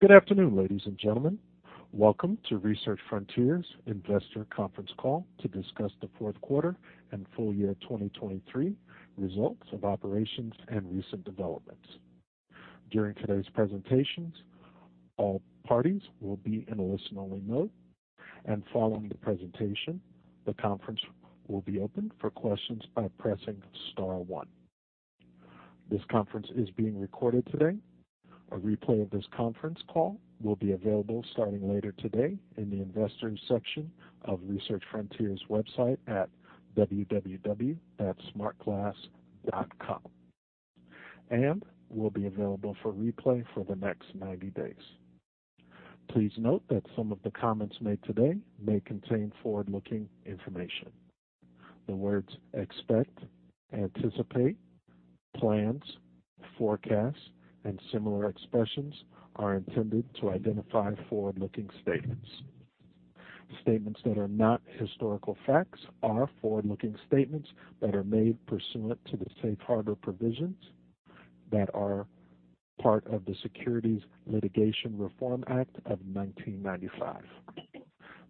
Good afternoon, ladies and gentlemen. Welcome to Research Frontiers' investor conference call to discuss the fourth quarter and full year 2023 results of operations and recent developments. During today's presentations, all parties will be in a listen-only mode, and following the presentation, the conference will be open for questions by pressing star 1. This conference is being recorded today. A replay of this conference call will be available starting later today in the investors' section of Research Frontiers' website at www.smartglass.com, and will be available for replay for the next 90 days. Please note that some of the comments made today may contain forward-looking information. The words "expect," "anticipate," "plans," "forecast," and similar expressions are intended to identify forward-looking statements. Statements that are not historical facts are forward-looking statements that are made pursuant to the Safe Harbor provisions that are part of the Securities Litigation Reform Act of 1995.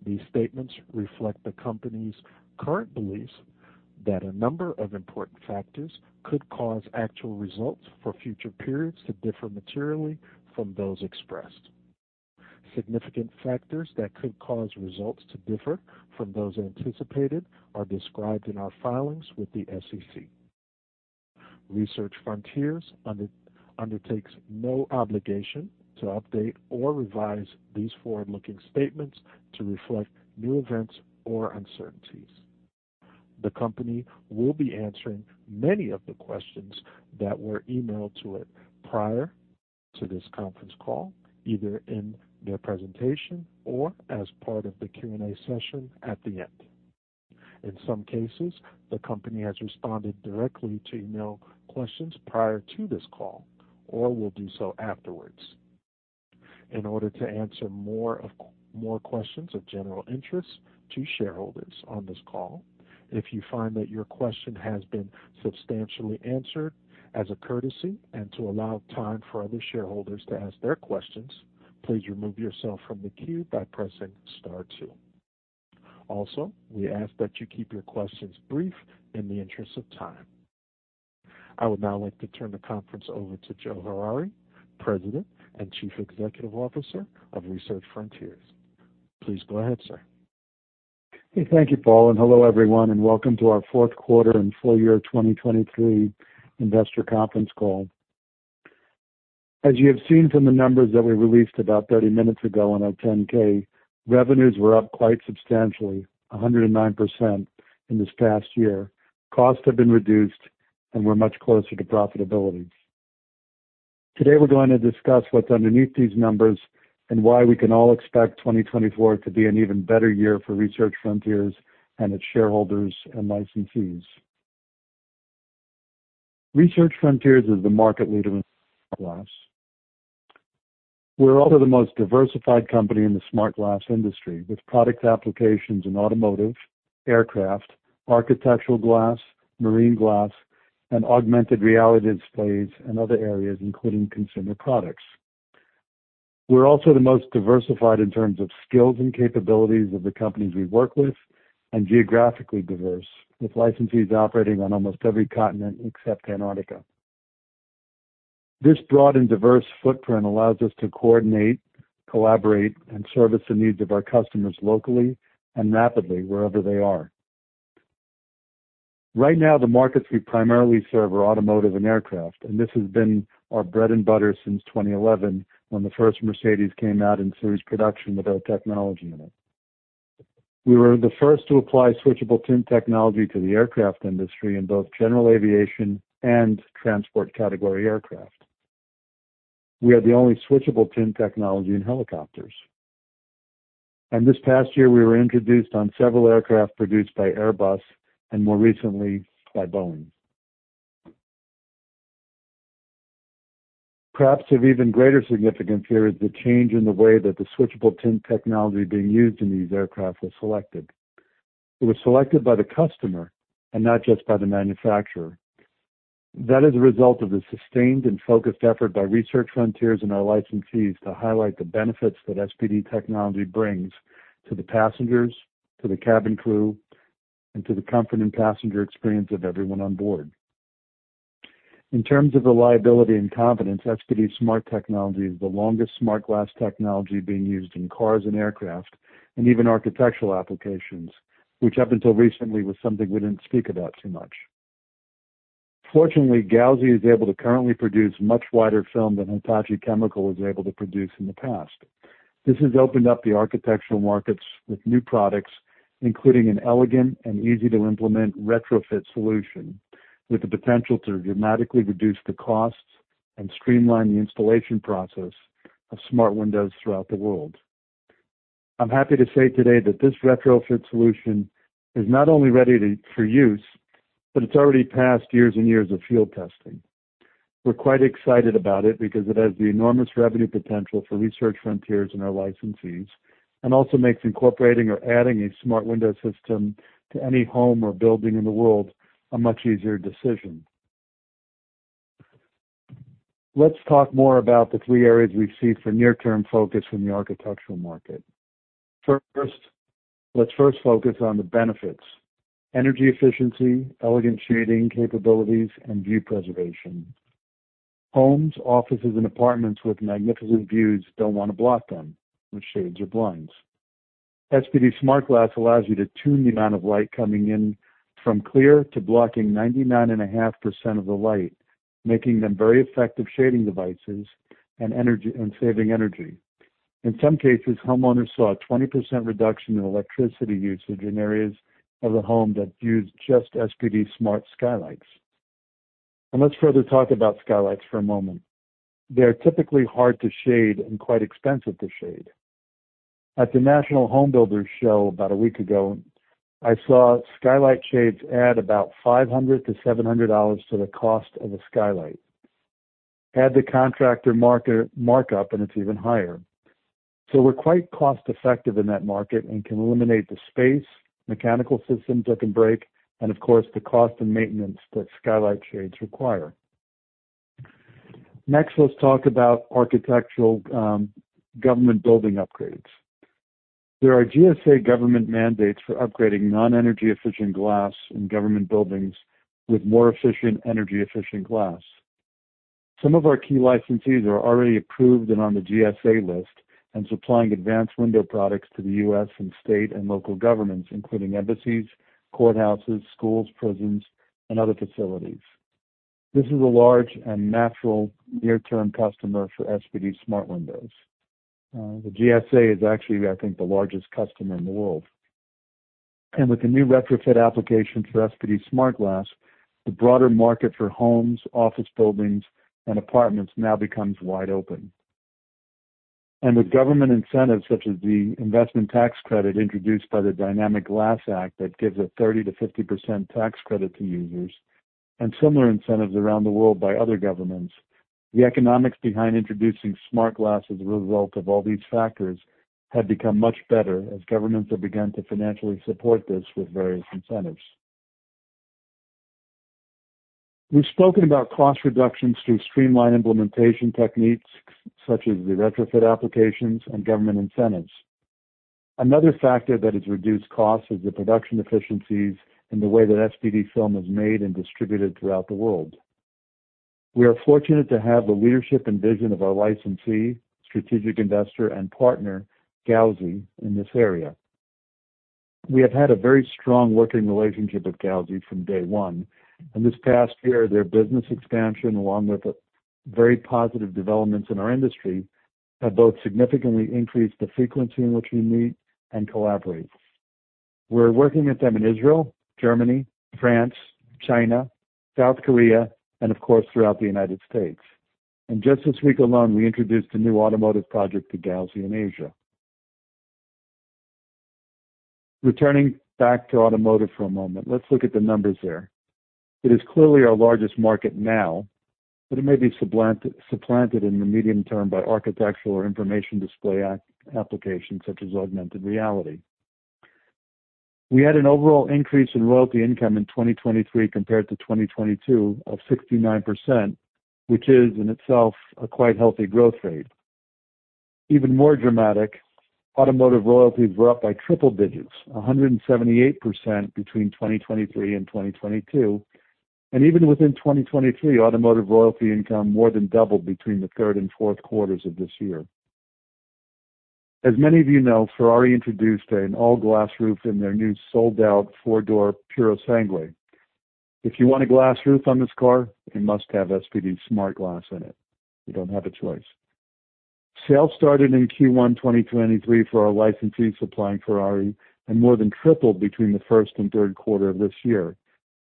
These statements reflect the company's current beliefs that a number of important factors could cause actual results for future periods to differ materially from those expressed. Significant factors that could cause results to differ from those anticipated are described in our filings with the SEC. Research Frontiers undertakes no obligation to update or revise these forward-looking statements to reflect new events or uncertainties. The company will be answering many of the questions that were emailed to it prior to this conference call, either in their presentation or as part of the Q&A session at the end. In some cases, the company has responded directly to email questions prior to this call or will do so afterwards. In order to answer more questions of general interest to shareholders on this call, if you find that your question has been substantially answered, as a courtesy and to allow time for other shareholders to ask their questions, please remove yourself from the queue by pressing star 2. Also, we ask that you keep your questions brief in the interest of time. I would now like to turn the conference over to Joseph Harary, President and Chief Executive Officer of Research Frontiers. Please go ahead, sir. Hey, thank you, Paul. Hello everyone, and welcome to our fourth quarter and full year 2023 investor conference call. As you have seen from the numbers that we released about 30 minutes ago on our 10-K, revenues were up quite substantially, 109%, in this past year. Costs have been reduced, and we're much closer to profitability. Today we're going to discuss what's underneath these numbers and why we can all expect 2024 to be an even better year for Research Frontiers and its shareholders and licensees. Research Frontiers is the market leader in smart glass. We're also the most diversified company in the smart glass industry, with product applications in automotive, aircraft, architectural glass, marine glass, and augmented reality displays and other areas, including consumer products. We're also the most diversified in terms of skills and capabilities of the companies we work with and geographically diverse, with licensees operating on almost every continent except Antarctica. This broad and diverse footprint allows us to coordinate, collaborate, and service the needs of our customers locally and rapidly wherever they are. Right now, the markets we primarily serve are automotive and aircraft, and this has been our bread and butter since 2011 when the first Mercedes came out in series production with our technology in it. We were the first to apply switchable tint technology to the aircraft industry in both general aviation and transport category aircraft. We are the only switchable tint technology in helicopters. This past year, we were introduced on several aircraft produced by Airbus and more recently by Boeing. Perhaps of even greater significance here is the change in the way that the switchable tint technology being used in these aircraft was selected. It was selected by the customer and not just by the manufacturer. That is a result of the sustained and focused effort by Research Frontiers and our licensees to highlight the benefits that SPD technology brings to the passengers, to the cabin crew, and to the comfort and passenger experience of everyone on board. In terms of reliability and confidence, SPD-Smart technology is the longest smart glass technology being used in cars and aircraft and even architectural applications, which up until recently was something we didn't speak about too much. Fortunately, Gauzy is able to currently produce much wider film than Hitachi Chemical was able to produce in the past. This has opened up the architectural markets with new products, including an elegant and easy-to-implement retrofit solution with the potential to dramatically reduce the costs and streamline the installation process of smart windows throughout the world. I'm happy to say today that this retrofit solution is not only ready for use but it's already passed years and years of field testing. We're quite excited about it because it has the enormous revenue potential for Research Frontiers and our licensees and also makes incorporating or adding a smart window system to any home or building in the world a much easier decision. Let's talk more about the three areas we see for near-term focus in the architectural market. Let's first focus on the benefits: energy efficiency, elegant shading capabilities, and view preservation. Homes, offices, and apartments with magnificent views don't want to block them with shades or blinds. SPD-SmartGlass allows you to tune the amount of light coming in from clear to blocking 99.5% of the light, making them very effective shading devices and saving energy. In some cases, homeowners saw a 20% reduction in electricity usage in areas of the home that used just SPD-SmartGlass skylights. And let's further talk about skylights for a moment. They are typically hard to shade and quite expensive to shade. At the National Home Builders Show about a week ago, I saw skylight shades add about $500-$700 to the cost of a skylight. Add the contractor markup, and it's even higher. So we're quite cost-effective in that market and can eliminate the space, mechanical systems that can break, and of course, the cost and maintenance that skylight shades require. Next, let's talk about architectural government building upgrades. There are GSA government mandates for upgrading non-energy efficient glass in government buildings with more efficient energy efficient glass. Some of our key licensees are already approved and on the GSA list and supplying advanced window products to the U.S. and state and local governments, including embassies, courthouses, schools, prisons, and other facilities. This is a large and natural near-term customer for SPD-Smart windows. The GSA is actually, I think, the largest customer in the world. With the new retrofit application for SPD-SmartGlass, the broader market for homes, office buildings, and apartments now becomes wide open. With government incentives such as the investment tax credit introduced by the Dynamic Glass Act that gives a 30%-50% tax credit to users and similar incentives around the world by other governments, the economics behind introducing smart glass as a result of all these factors had become much better as governments have begun to financially support this with various incentives. We've spoken about cost reductions through streamlined implementation techniques such as the retrofit applications and government incentives. Another factor that has reduced costs is the production efficiencies and the way that SPD film is made and distributed throughout the world. We are fortunate to have the leadership and vision of our licensee, strategic investor, and partner, Gauzy, in this area. We have had a very strong working relationship with Gauzy from day one, and this past year, their business expansion along with very positive developments in our industry have both significantly increased the frequency in which we meet and collaborate. We're working with them in Israel, Germany, France, China, South Korea, and of course, throughout the United States. And just this week alone, we introduced a new automotive project to Gauzy in Asia. Returning back to automotive for a moment, let's look at the numbers there. It is clearly our largest market now, but it may be supplanted in the medium term by architectural or information display applications such as augmented reality. We had an overall increase in royalty income in 2023 compared to 2022 of 69%, which is in itself a quite healthy growth rate. Even more dramatic, automotive royalties were up by triple digits, 178% between 2023 and 2022, and even within 2023, automotive royalty income more than doubled between the third and fourth quarters of this year. As many of you know, Ferrari introduced an all-glass roof in their new sold-out four-door Purosangue. If you want a glass roof on this car, it must have SPD-SmartGlass in it. You don't have a choice. Sales started in Q1 2023 for our licensees supplying Ferrari and more than tripled between the first and third quarter of this year,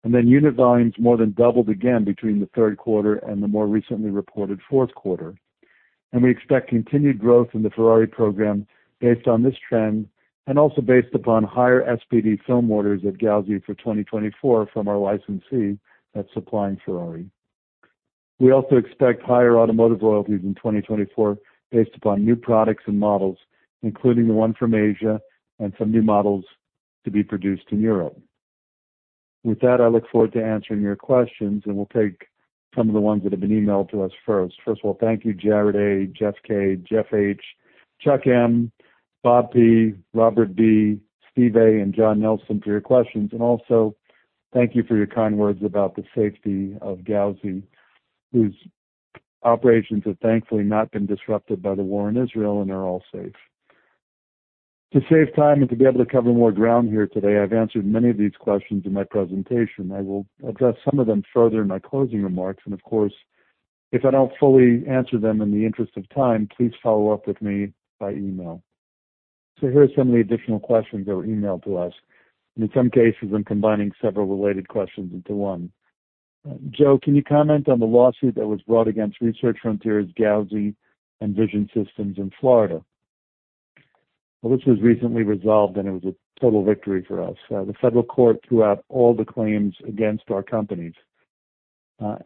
and then unit volumes more than doubled again between the third quarter and the more recently reported fourth quarter. We expect continued growth in the Ferrari program based on this trend and also based upon higher SPD film orders at Gauzy for 2024 from our licensee that's supplying Ferrari. We also expect higher automotive royalties in 2024 based upon new products and models, including the one from Asia and some new models to be produced in Europe. With that, I look forward to answering your questions, and we'll take some of the ones that have been emailed to us first. First of all, thank you, Jared A., Jeff K., Jeff H., Chuck M., Bob P., Robert B., Steve A., and John Nelson for your questions. And also, thank you for your kind words about the safety of Gauzy, whose operations have thankfully not been disrupted by the war in Israel and are all safe. To save time and to be able to cover more ground here today, I've answered many of these questions in my presentation. I will address some of them further in my closing remarks. Of course, if I don't fully answer them in the interest of time, please follow up with me by email. Here are some of the additional questions that were emailed to us. In some cases, I'm combining several related questions into one. Joe Brunner, can you comment on the lawsuit that was brought against Research Frontiers, Gauzy, and Vision Systems in Florida? Well, this was recently resolved, and it was a total victory for us. The federal court threw out all the claims against our companies.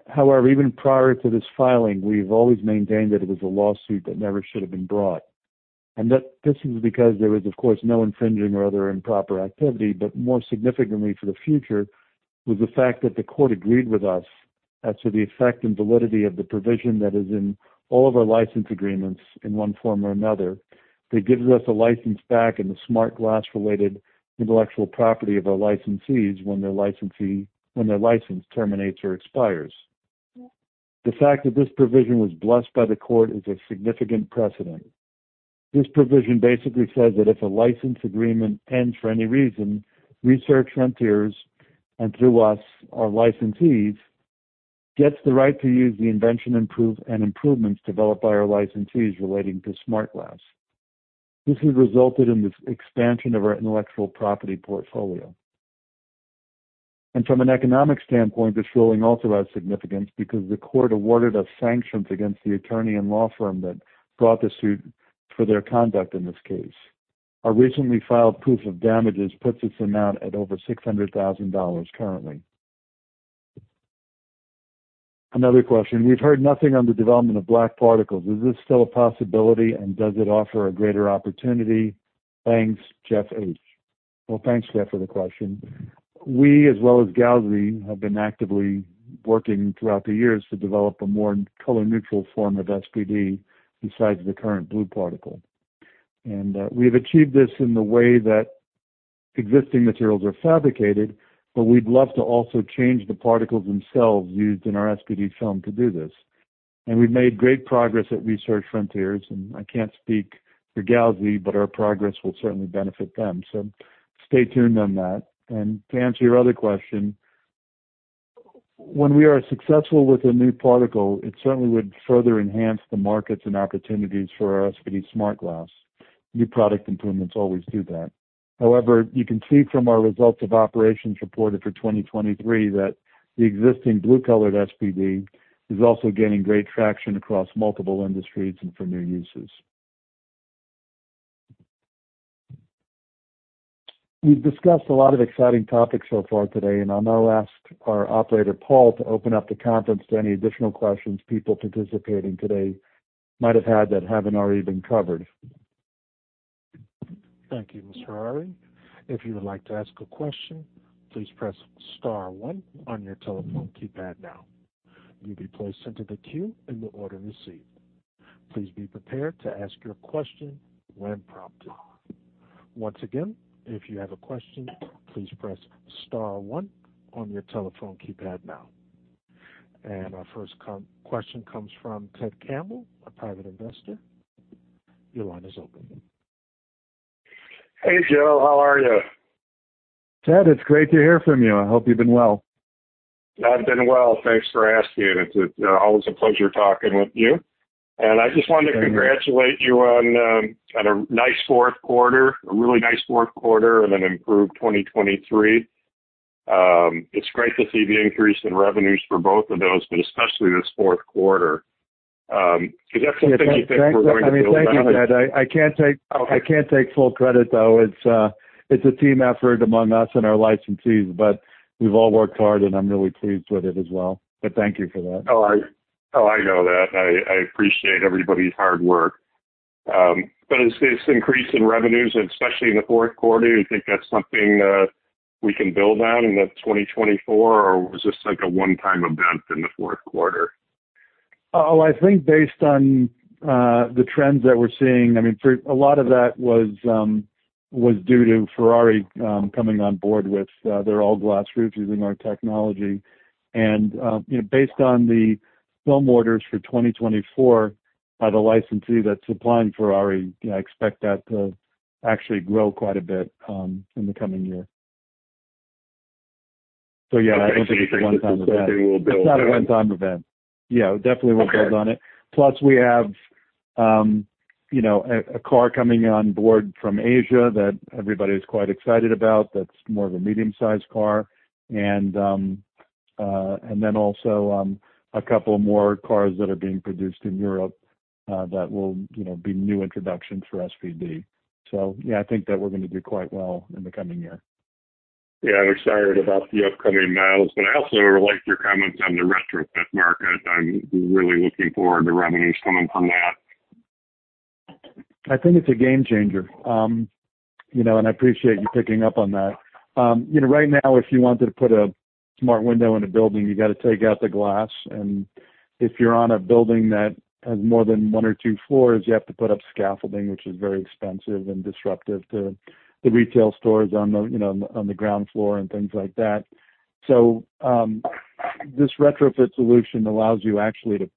However, even prior to this filing, we've always maintained that it was a lawsuit that never should have been brought. This is because there was, of course, no infringing or other improper activity, but more significantly for the future was the fact that the court agreed with us as to the effect and validity of the provision that is in all of our license agreements in one form or another. It gives us a license back in the smart glass-related intellectual property of our licensees when their license terminates or expires. The fact that this provision was blessed by the court is a significant precedent. This provision basically says that if a license agreement ends for any reason, Research Frontiers and through us, our licensees, gets the right to use the invention and improvements developed by our licensees relating to smart glass. This has resulted in the expansion of our intellectual property portfolio. From an economic standpoint, this ruling also has significance because the court awarded sanctions against the attorney and law firm that brought the suit for their conduct in this case. Our recently filed proof of damages puts its amount at over $600,000 currently. Another question. We've heard nothing on the development of black particles. Is this still a possibility, and does it offer a greater opportunity? Thanks, Jeff H. Well, thanks, Jeff, for the question. We, as well as Gauzy, have been actively working throughout the years to develop a more color-neutral form of SPD besides the current blue particle. And we have achieved this in the way that existing materials are fabricated, but we'd love to also change the particles themselves used in our SPD film to do this. We've made great progress at Research Frontiers, and I can't speak for Gauzy, but our progress will certainly benefit them. Stay tuned on that. To answer your other question, when we are successful with a new particle, it certainly would further enhance the markets and opportunities for our SPD Smart Glass. New product improvements always do that. However, you can see from our results of operations reported for 2023 that the existing blue-colored SPD is also gaining great traction across multiple industries and for new uses. We've discussed a lot of exciting topics so far today, and I'll now ask our operator, Paul, to open up the conference to any additional questions people participating today might have had that haven't already been covered. Thank you, Mr. Harary. If you would like to ask a question, please press star one on your telephone keypad now. You'll be placed into the queue in the order received. Please be prepared to ask your question when prompted. Once again, if you have a question, please press star one on your telephone keypad now. And our first question comes from Ted Campbell, a private investor. Your line is open. Hey, Joe. How are you? Ted, it's great to hear from you. I hope you've been well. I've been well. Thanks for asking. It's always a pleasure talking with you. And I just wanted to congratulate you on a nice fourth quarter, a really nice fourth quarter, and an improved 2023. It's great to see the increase in revenues for both of those, but especially this fourth quarter. Is that something you think we're going to be able to make? I mean, thank you, Ted. I can't take full credit, though. It's a team effort among us and our licensees, but we've all worked hard, and I'm really pleased with it as well. But thank you for that. Oh, I know that. I appreciate everybody's hard work. But this increase in revenues, especially in the fourth quarter, do you think that's something we can build on in the 2024, or was this a one-time event in the fourth quarter? Oh, I think based on the trends that we're seeing, I mean, a lot of that was due to Ferrari coming on board with their all-glass roof using our technology. And based on the film orders for 2024 by the licensee that's supplying Ferrari, I expect that to actually grow quite a bit in the coming year. So yeah, I don't think it's a one-time event. It's not a one-time event. Yeah, it definitely will build on it. Plus, we have a car coming on board from Asia that everybody is quite excited about that's more of a medium-sized car, and then also a couple more cars that are being produced in Europe that will be new introductions for SPD. So yeah, I think that we're going to do quite well in the coming year. Yeah, I'm excited about the upcoming models, but I also really liked your comments on the retrofit market. I'm really looking forward to revenues coming from that. I think it's a game changer, and I appreciate you picking up on that. Right now, if you wanted to put a smart window in a building, you got to take out the glass. And if you're on a building that has more than one or two floors, you have to put up scaffolding, which is very expensive and disruptive to the retail stores on the ground floor and things like that. So this retrofit solution allows you actually to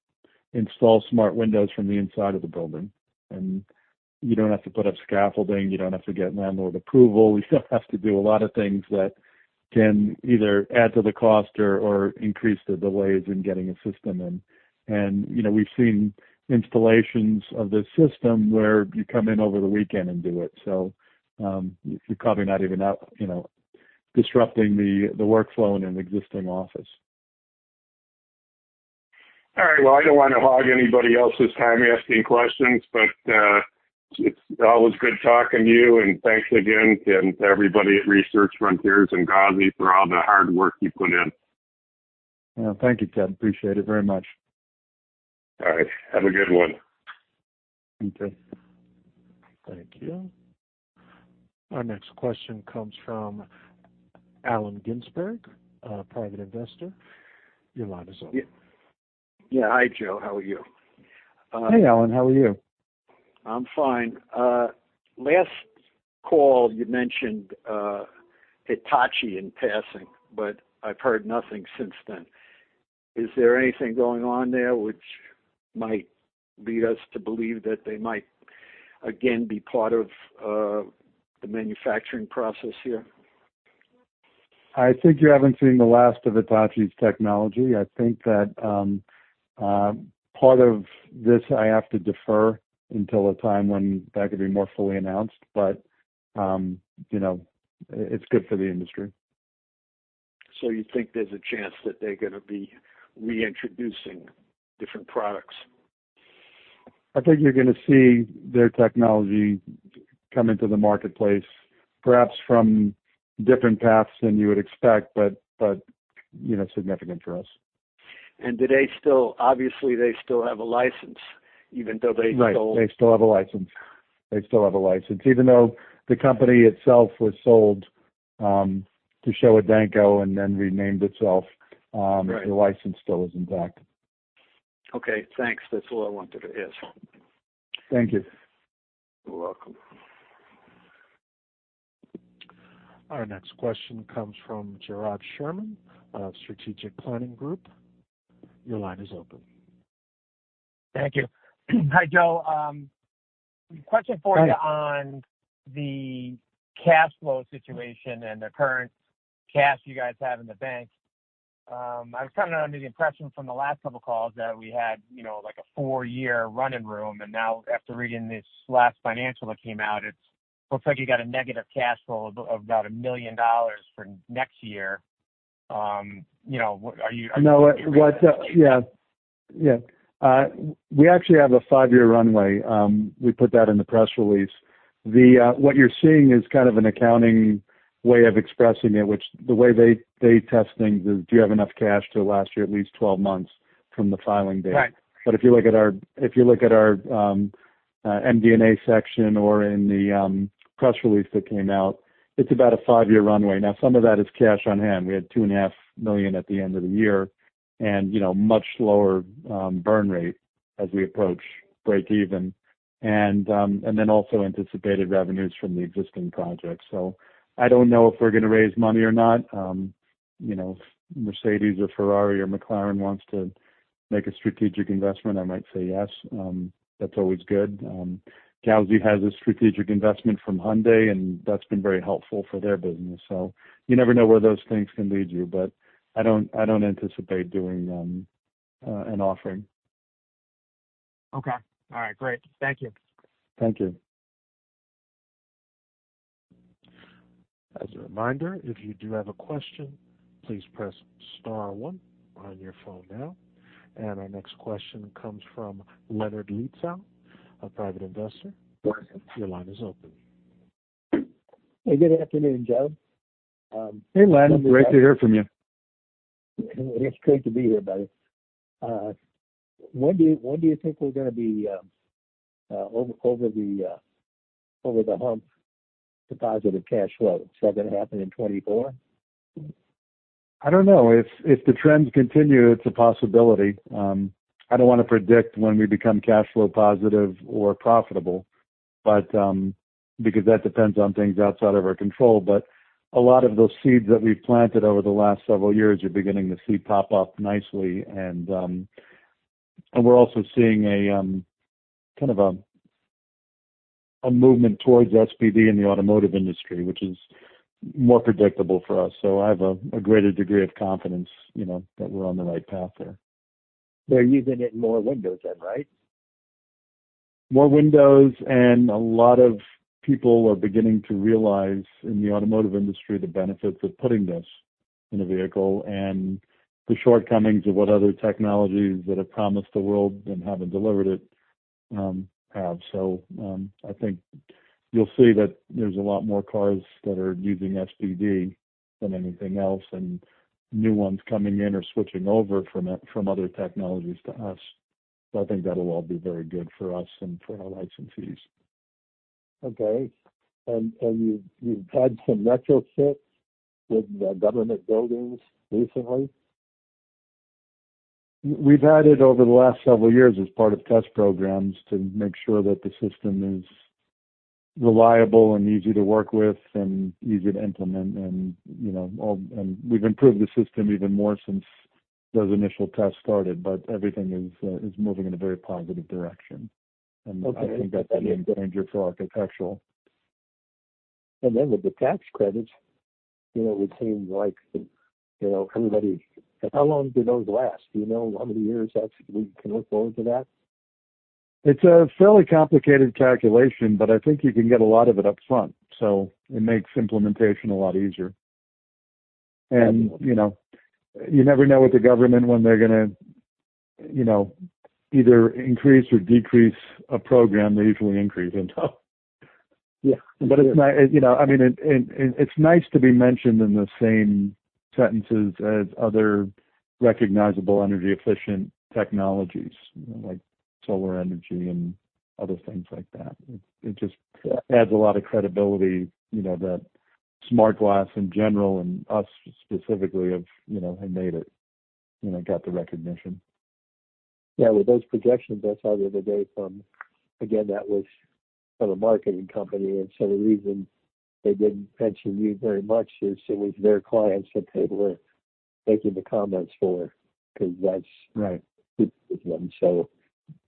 install smart windows from the inside of the building, and you don't have to put up scaffolding. You don't have to get landlord approval. You don't have to do a lot of things that can either add to the cost or increase the delays in getting a system. And we've seen installations of this system where you come in over the weekend and do it. So you're probably not even disrupting the workflow in an existing office. All right. Well, I don't want to hog anybody else's time asking questions, but it's always good talking to you. And thanks again to everybody at Research Frontiers and Gauzy for all the hard work you put in. Yeah, thank you, Ted. Appreciate it very much. All right. Have a good one. You too. Thank you. Our next question comes from Alan Ginsberg, a private investor. Your line is open. Yeah. Hi, Joe. How are you? Hey, Alan. How are you? I'm fine. Last call, you mentioned Hitachi in passing, but I've heard nothing since then. Is there anything going on there which might lead us to believe that they might again be part of the manufacturing process here? I think you haven't seen the last of Hitachi's technology. I think that part of this, I have to defer until a time when that could be more fully announced, but it's good for the industry. So you think there's a chance that they're going to be reintroducing different products? I think you're going to see their technology come into the marketplace, perhaps from different paths than you would expect, but significant for us. And obviously, they still have a license even though they sold? Right. They still have a license. They still have a license. Even though the company itself was sold to Showa Denko and then renamed itself, the license still is intact. Okay. Thanks. That's all I wanted to ask. Thank you. You're welcome. Our next question comes from Gerard Sherman of Strategic Planning Group. Your line is open. Thank you. Hi, Joe. Question for you on the cash flow situation and the current cash you guys have in the bank. I was kind of under the impression from the last couple of calls that we had a four-year running room. And now, after reading this last financial that came out, it looks like you got a negative cash flow of about $1 million for next year. Are you? No. Yeah. Yeah. We actually have a five-year runway. We put that in the press release. What you're seeing is kind of an accounting way of expressing it, which the way they test things is, "Do you have enough cash to last you at least 12 months from the filing date?" But if you look at our MD&A section or in the press release that came out, it's about a five-year runway. Now, some of that is cash on hand. We had $2.5 million at the end of the year and much lower burn rate as we approach break-even and then also anticipated revenues from the existing projects. So I don't know if we're going to raise money or not. If Mercedes or Ferrari or McLaren wants to make a strategic investment, I might say yes. That's always good. Gauzy has a strategic investment from Hyundai, and that's been very helpful for their business. So you never know where those things can lead you, but I don't anticipate doing an offering. Okay. All right. Great. Thank you. Thank you. As a reminder, if you do have a question, please press star one on your phone now. And our next question comes from Leonard Lietzau, a private investor. Your line is open. Hey, good afternoon, Joe. Hey, Leonard. Great to hear from you. It is great to be here, buddy. When do you think we're going to be over the hump, positive cash flow? Is that going to happen in 2024? I don't know. If the trends continue, it's a possibility. I don't want to predict when we become cash flow positive or profitable because that depends on things outside of our control. But a lot of those seeds that we've planted over the last several years, you're beginning to see pop up nicely. And we're also seeing kind of a movement towards SPD in the automotive industry, which is more predictable for us. So I have a greater degree of confidence that we're on the right path there. They're using it in more windows than, right? More windows. And a lot of people are beginning to realize in the automotive industry the benefits of putting this in a vehicle and the shortcomings of what other technologies that have promised the world and haven't delivered it have. So I think you'll see that there's a lot more cars that are using SPD than anything else and new ones coming in or switching over from other technologies to us. So I think that'll all be very good for us and for our licensees. Okay. And you've had some retrofits with government buildings recently? We've had it over the last several years as part of test programs to make sure that the system is reliable and easy to work with and easy to implement. And we've improved the system even more since those initial tests started, but everything is moving in a very positive direction. And I think that's a game changer for architectural. And then with the tax credits, it would seem like everybody. How long do those last? Do you know how many years we can look forward to that? It's a fairly complicated calculation, but I think you can get a lot of it upfront. So it makes implementation a lot easier. And you never know with the government when they're going to either increase or decrease a program. They usually increase and stop. But it's nice I mean, it's nice to be mentioned in the same sentences as other recognizable energy-efficient technologies like solar energy and other things like that. It just adds a lot of credibility that Smart Glass in general and us specifically have made it, got the recognition. Yeah. With those projections, that's how they were based on. Again, that was from a marketing company. And so the reason they didn't mention you very much is it was their clients that they were making the comments for because that's people with them. So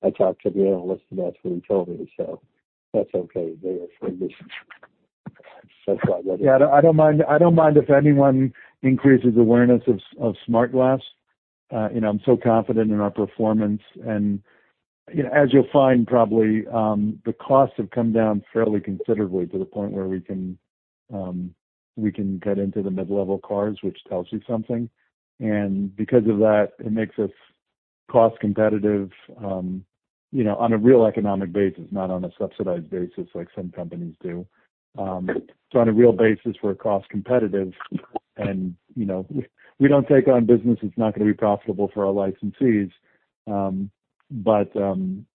I talked to the analyst, and that's what he told me. So that's okay. That's why I got it. Yeah. I don't mind if anyone increases awareness of Smart Glass. I'm so confident in our performance. And as you'll find, probably, the costs have come down fairly considerably to the point where we can cut into the mid-level cars, which tells you something. And because of that, it makes us cost-competitive on a real economic basis, not on a subsidized basis like some companies do. So on a real basis, we're cost-competitive. And we don't take on business that's not going to be profitable for our licensees, but it's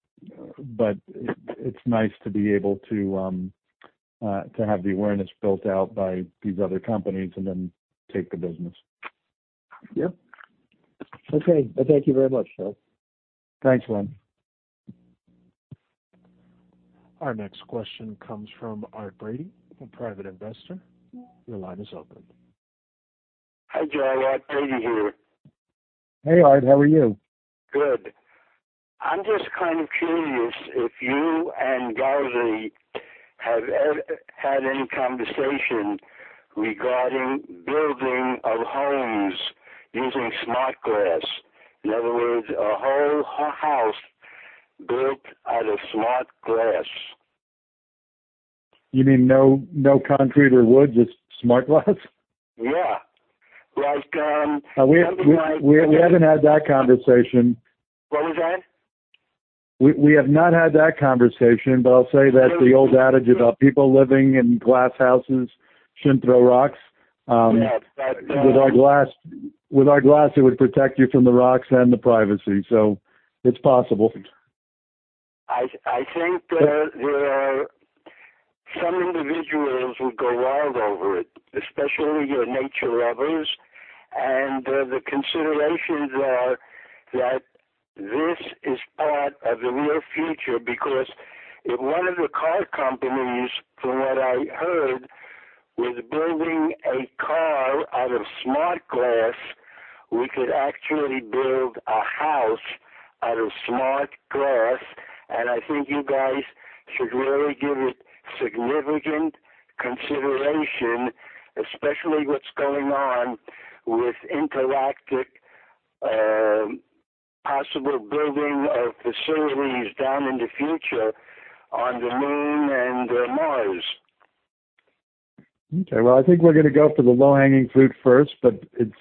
nice to be able to have the awareness built out by these other companies and then take the business. Yep. Okay. Well, thank you very much, Joe. Thanks, Alan. Our next question comes from Art Brady, a private investor. Your line is open. Hi, Joe. Art Brady here. Hey, Art. How are you? Good. I'm just kind of curious if you and Gauzy have had any conversation regarding building of homes using Smart Glass, in other words, a whole house built out of Smart Glass. You mean no concrete or wood, just Smart Glass? Yeah. Like never mind. We haven't had that conversation. What was that? We have not had that conversation, but I'll say that's the old adage about people living in glass houses shouldn't throw rocks. With our glass, it would protect you from the rocks and the privacy. So it's possible. I think there are some individuals who go wild over it, especially nature lovers. And the considerations are that this is part of the real future because if one of the car companies, from what I heard, was building a car out of Smart Glass, we could actually build a house out of Smart Glass. I think you guys should really give it significant consideration, especially what's going on with interactive possible building of facilities down in the future on the Moon and Mars. Okay. Well, I think we're going to go for the low-hanging fruit first, but it's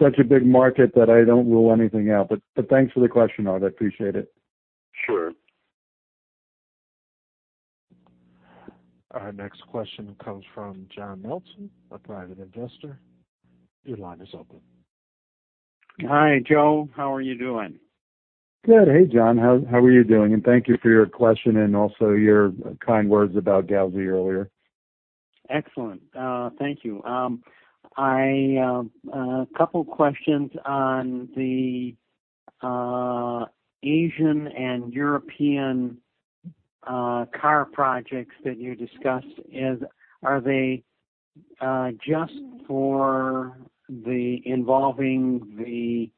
such a big market that I don't rule anything out. But thanks for the question, Art. I appreciate it. Sure. Our next question comes from John Nelson, a private investor. Your line is open. Hi, Joe. How are you doing? Good. Hey, John. How are you doing? And thank you for your question and also your kind words about Gauzy earlier. Excellent. Thank you. A couple of questions on the Asian and European car projects that you discussed. Are they just for involving the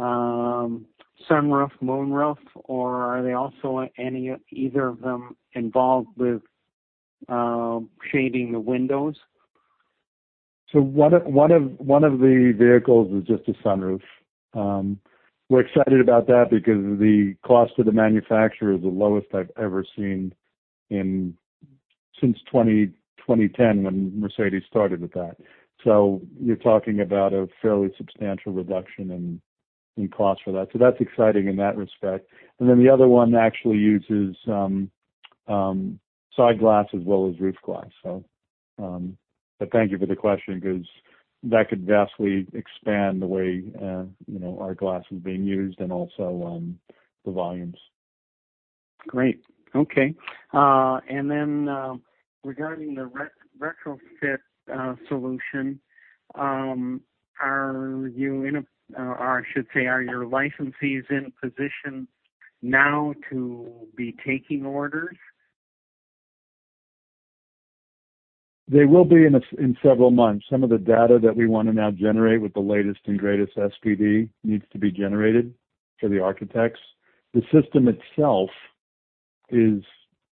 sunroof, moonroof, or are either of them involved with shading the windows? So one of the vehicles is just a sunroof. We're excited about that because the cost to the manufacturer is the lowest I've ever seen since 2010 when Mercedes started with that. So you're talking about a fairly substantial reduction in cost for that. So that's exciting in that respect. And then the other one actually uses side glass as well as roof glass, so. But thank you for the question because that could vastly expand the way our glass is being used and also the volumes. Great. Okay. And then regarding the retrofit solution, are you in a or I should say, are your licensees in a position now to be taking orders? They will be in several months. Some of the data that we want to now generate with the latest and greatest SPD needs to be generated for the architects. The system itself is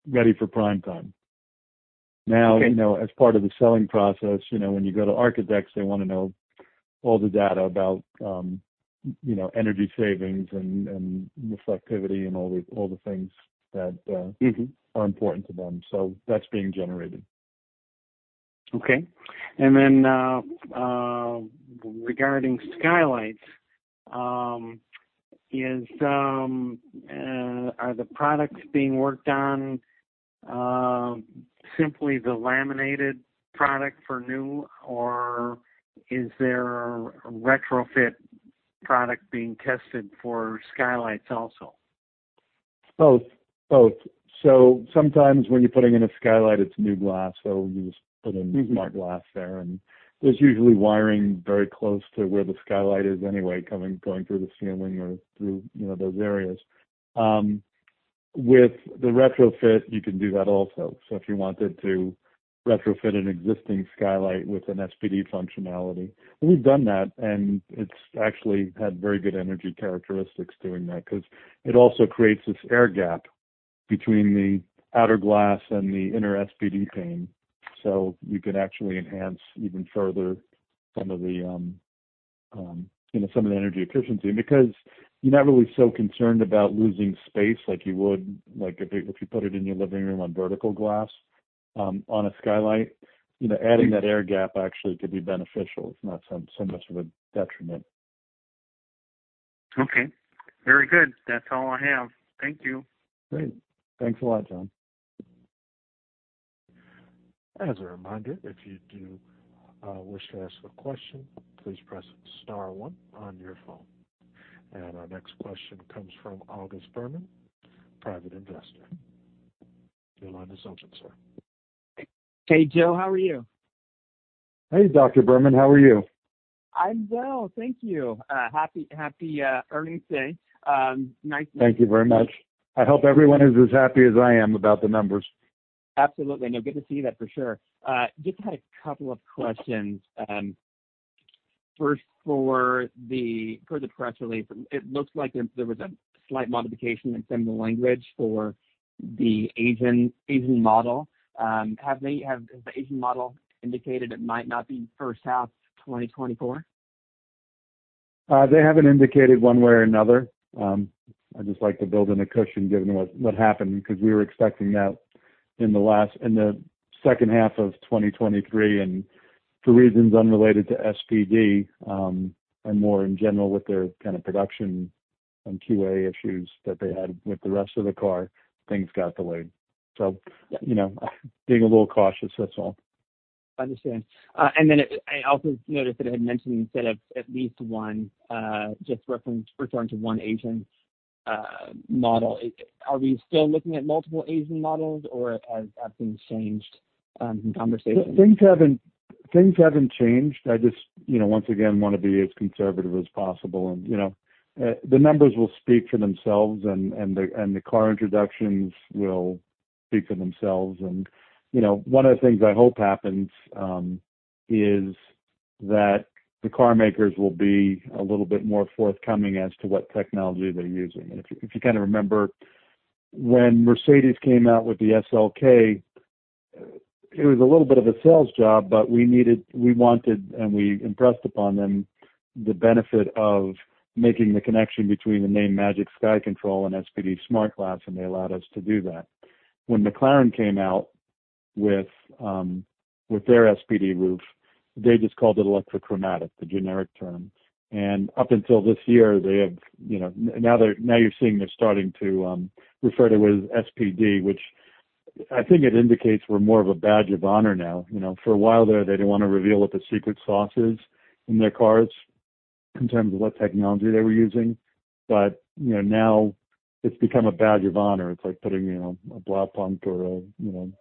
ready for prime time. Now, as part of the selling process, when you go to architects, they want to know all the data about energy savings and reflectivity and all the things that are important to them. So that's being generated. Okay. And then regarding skylights, are the products being worked on simply the laminated product for new, or is there a retrofit product being tested for skylights also? Both. Both. So sometimes when you're putting in a skylight, it's new glass. So you just put in Smart Glass there. And there's usually wiring very close to where the skylight is anyway, going through the ceiling or through those areas. With the retrofit, you can do that also. So if you wanted to retrofit an existing skylight with an SPD functionality, well, we've done that, and it's actually had very good energy characteristics doing that because it also creates this air gap between the outer glass and the inner SPD pane. So you can actually enhance even further some of the energy efficiency. And because you're not really so concerned about losing space like you would if you put it in your living room on vertical glass on a skylight, adding that air gap actually could be beneficial. It's not so much of a detriment. Okay. Very good. That's all I have. Thank you. Great.Thanks a lot, John. As a reminder, if you do wish to ask a question, please press star one on your phone. And our next question comes from August Berman, private investor. Your line is open, sir. Hey, Joe. How are you? Hey, Dr. Berman. How are you? I'm well. Thank you. Happy earnings day. Nice. Thank you very much. I hope everyone is as happy as I am about the numbers. Absolutely. No, good to see that for sure. Just had a couple of questions. First, per the press release, it looks like there was a slight modification in some of the language for the Asian model. Has the Asian model indicated it might not be first half 2024? They haven't indicated one way or another. I just like to build in a cushion given what happened because we were expecting that in the second half of 2023. And for reasons unrelated to SPD and more in general with their kind of production and QA issues that they had with the rest of the car, things got delayed. So being a little cautious, that's all. Understand. Then I also noticed that it had mentioned instead of at least one, just referring to one Asian model. Are we still looking at multiple Asian models, or have things changed in conversation? Things haven't changed. I just, once again, want to be as conservative as possible. The numbers will speak for themselves, and the car introductions will speak for themselves. One of the things I hope happens is that the car makers will be a little bit more forthcoming as to what technology they're using. If you kind of remember, when Mercedes came out with the SLK, it was a little bit of a sales job, but we wanted and we impressed upon them the benefit of making the connection between the name Magic Sky Control and SPD-SmartGlass, and they allowed us to do that. When McLaren came out with their SPD roof, they just called it electrochromic, the generic term. Up until this year, they have now you're seeing they're starting to refer to it as SPD, which I think it indicates we're more of a badge of honor now. For a while there, they didn't want to reveal what the secret sauce is in their cars in terms of what technology they were using. But now it's become a badge of honor. It's like putting a Blaupunkt or a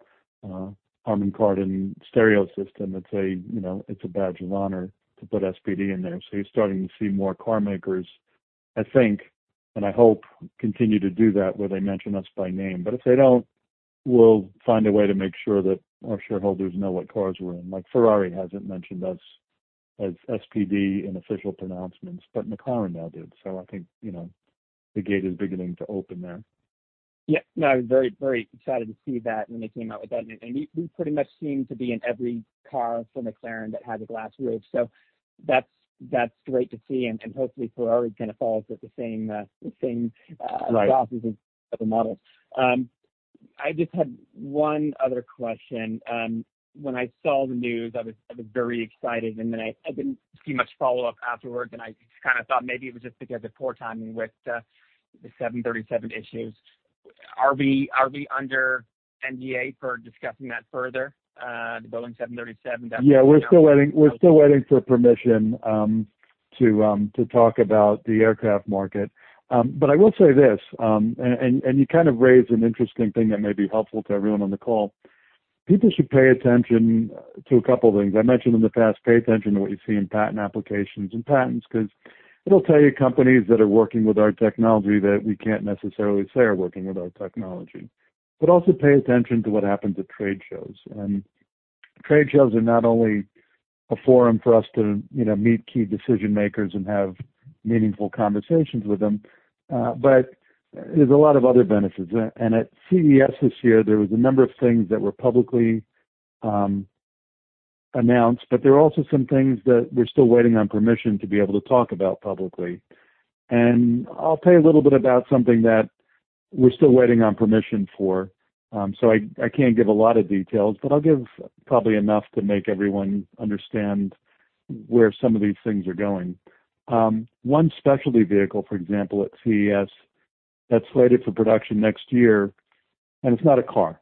Harman Kardon stereo system. It's a badge of honor to put SPD in there. So you're starting to see more car makers, I think, and I hope, continue to do that where they mention us by name. But if they don't, we'll find a way to make sure that our shareholders know what cars we're in. Ferrari hasn't mentioned us as SPD in official pronouncements, but McLaren now did. So I think the gate is beginning to open there. Yep. No, I was very excited to see that when they came out with that. And we pretty much seem to be in every car for McLaren that has a glass roof. So that's great to see. And hopefully, Ferrari kind of falls with the same glasses as other models. I just had one other question. When I saw the news, I was very excited. And then I didn't see much follow-up afterwards. And I just kind of thought maybe it was just because of poor timing with the 737 issues. Are we under NDA for discussing that further, the Boeing 737? Yeah. We're still waiting for permission to talk about the aircraft market. But I will say this, and you kind of raised an interesting thing that may be helpful to everyone on the call. People should pay attention to a couple of things. I mentioned in the past, pay attention to what you see in patent applications and patents because it'll tell you companies that are working with our technology that we can't necessarily say are working with our technology. But also pay attention to what happens at trade shows. And trade shows are not only a forum for us to meet key decision-makers and have meaningful conversations with them, but there's a lot of other benefits. And at CES this year, there was a number of things that were publicly announced, but there were also some things that we're still waiting on permission to be able to talk about publicly. And I'll tell you a little bit about something that we're still waiting on permission for. So I can't give a lot of details, but I'll give probably enough to make everyone understand where some of these things are going. One specialty vehicle, for example, at CES that's slated for production next year - and it's not a car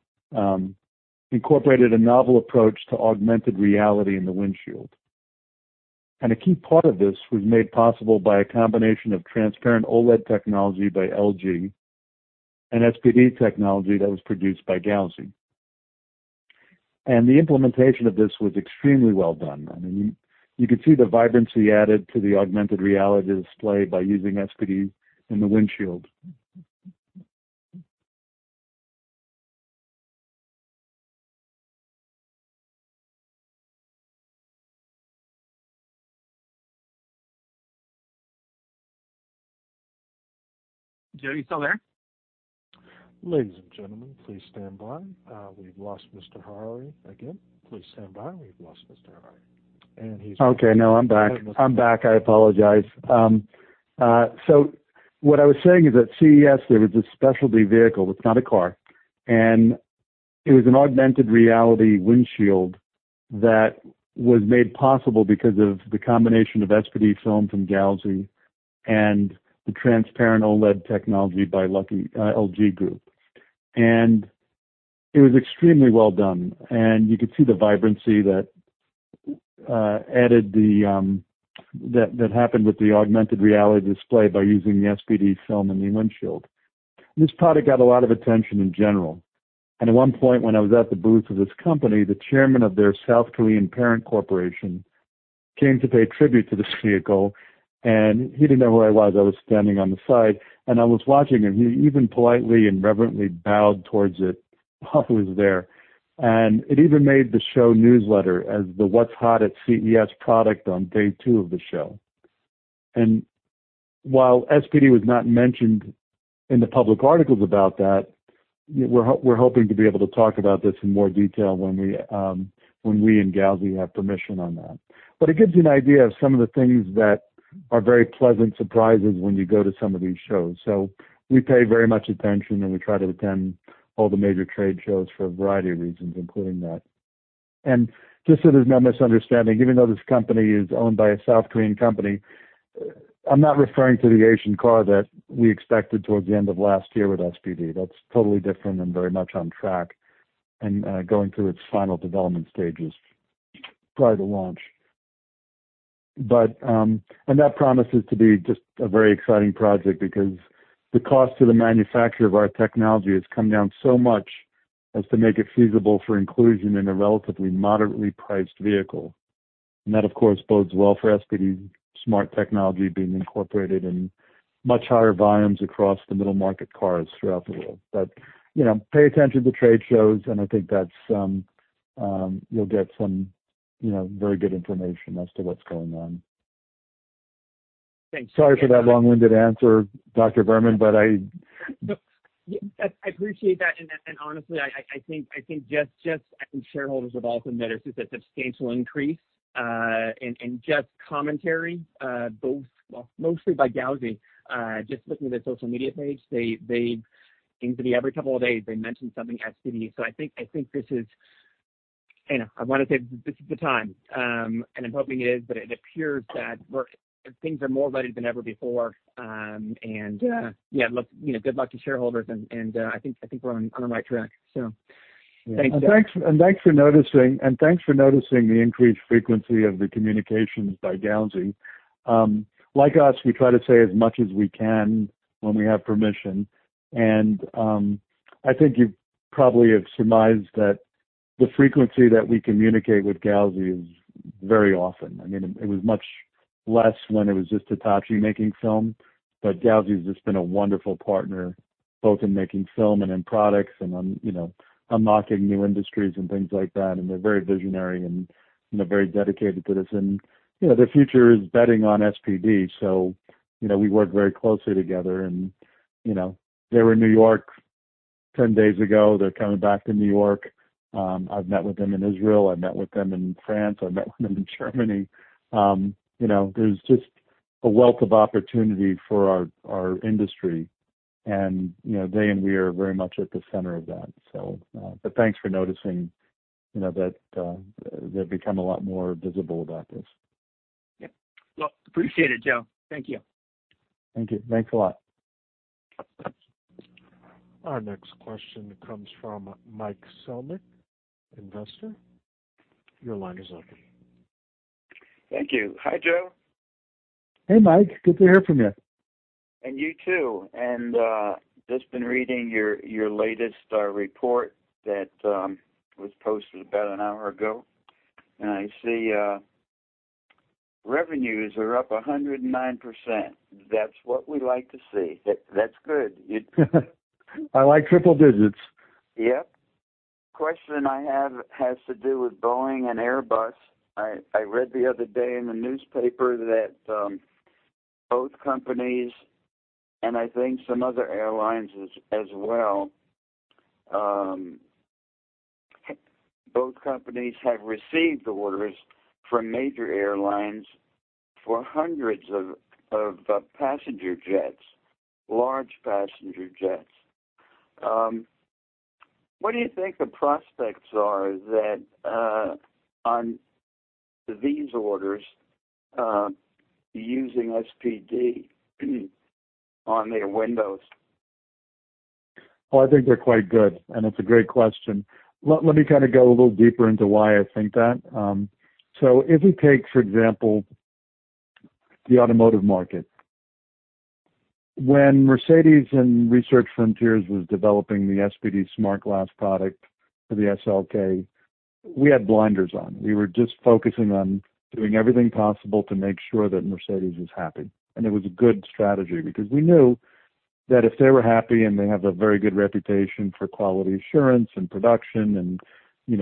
- incorporated a novel approach to augmented reality in the windshield. And a key part of this was made possible by a combination of transparent OLED technology by LG and SPD technology that was produced by Gauzy. And the implementation of this was extremely well done. I mean, you could see the vibrancy added to the augmented reality display by using SPD in the windshield. Joe, are you still there? Ladies and gentlemen, please stand by. We've lost Mr. Harary again. Please stand by. We've lost Mr. Harary. And he's back. Okay. No, I'm back. I'm back. I apologize. So what I was saying is at CES, there was this specialty vehicle. It's not a car. And it was an augmented reality windshield that was made possible because of the combination of SPD film from Gauzy and the transparent OLED technology by LG Group. And it was extremely well done. And you could see the vibrancy that happened with the augmented reality display by using the SPD film in the windshield. This product got a lot of attention in general. And at one point, when I was at the booth of this company, the chairman of their South Korean parent corporation came to pay tribute to this vehicle. And he didn't know where I was. I was standing on the side. And I was watching him. He even politely and reverently bowed towards it while he was there. It even made the show newsletter as the "What's Hot at CES" product on day two of the show. While SPD was not mentioned in the public articles about that, we're hoping to be able to talk about this in more detail when we and Gauzy have permission on that. It gives you an idea of some of the things that are very pleasant surprises when you go to some of these shows. We pay very much attention, and we try to attend all the major trade shows for a variety of reasons, including that. Just so there's no misunderstanding, even though this company is owned by a South Korean company, I'm not referring to the Asian car that we expected towards the end of last year with SPD. That's totally different and very much on track and going through its final development stages prior to launch. And that promises to be just a very exciting project because the cost to the manufacturer of our technology has come down so much as to make it feasible for inclusion in a relatively moderately priced vehicle. And that, of course, bodes well for SPD's smart technology being incorporated in much higher volumes across the middle-market cars throughout the world. But pay attention to trade shows, and I think you'll get some very good information as to what's going on. Sorry for that long-winded answer, Dr. Berman, but I appreciate that. And honestly, I think just I think shareholders have also noticed a substantial increase in just commentary, mostly by Gauzy. Just looking at their social media page, they've seemed to be every couple of days, they mention something SPD. So I think I want to say this is the time. I'm hoping it is, but it appears that things are more ready than ever before. Yeah, good luck to shareholders. I think we're on the right track. So thanks. Thanks for noticing. Thanks for noticing the increased frequency of the communications by Gauzy. Like us, we try to say as much as we can when we have permission. I think you probably have surmised that the frequency that we communicate with Gauzy is very often. I mean, it was much less when it was just Hitachi making film. But Gauzy has just been a wonderful partner, both in making film and in products and unlocking new industries and things like that. They're very visionary and very dedicated to this. Their future is betting on SPD. So we work very closely together. And they were in New York 10 days ago. They're coming back to New York. I've met with them in Israel. I've met with them in France. I've met with them in Germany. There's just a wealth of opportunity for our industry. And they and we are very much at the center of that, so. But thanks for noticing that they've become a lot more visible about this. Yep. Well, appreciate it, Joe. Thank you. Thank you. Thanks a lot. Our next question comes from Mike Selnick, investor. Your line is open. Thank you. Hi, Joe. Hey, Mike. Good to hear from you. And you too. And just been reading your latest report that was posted about an hour ago. And I see revenues are up 109%. That's what we like to see. That's good. I like triple digits. Yep. Question I have has to do with Boeing and Airbus. I read the other day in the newspaper that both companies and I think some other airlines as well, both companies have received orders from major airlines for hundreds of passenger jets, large passenger jets. What do you think the prospects are that on these orders using SPD on their windows? Well, I think they're quite good. It's a great question. Let me kind of go a little deeper into why I think that. So if we take, for example, the automotive market, when Mercedes and Research Frontiers was developing the SPD-SmartGlass product for the SLK, we had blinders on. We were just focusing on doing everything possible to make sure that Mercedes was happy. It was a good strategy because we knew that if they were happy and they have a very good reputation for quality assurance and production and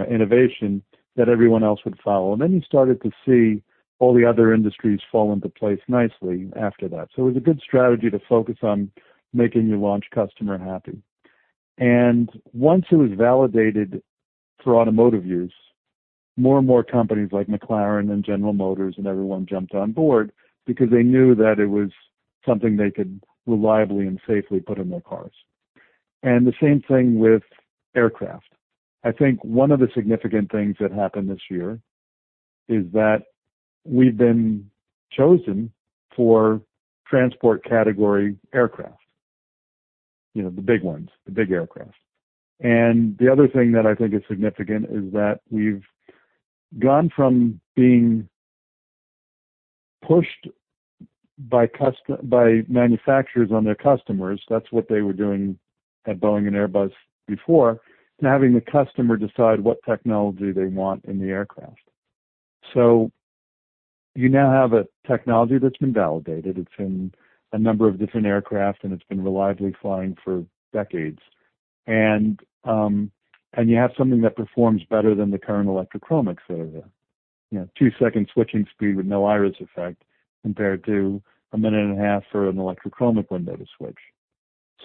innovation, that everyone else would follow. Then you started to see all the other industries fall into place nicely after that. So it was a good strategy to focus on making your launch customer happy. And once it was validated for automotive use, more and more companies like McLaren and General Motors and everyone jumped on board because they knew that it was something they could reliably and safely put in their cars. And the same thing with aircraft. I think one of the significant things that happened this year is that we've been chosen for transport category aircraft, the big ones, the big aircraft. The other thing that I think is significant is that we've gone from being pushed by manufacturers on their customers, that's what they were doing at Boeing and Airbus before, to having the customer decide what technology they want in the aircraft. So you now have a technology that's been validated. It's in a number of different aircraft, and it's been reliably flying for decades. And you have something that performs better than the current electrochromics that are there, 2-second switching speed with no iris effect compared to 1.5 minutes for an electrochromic window to switch.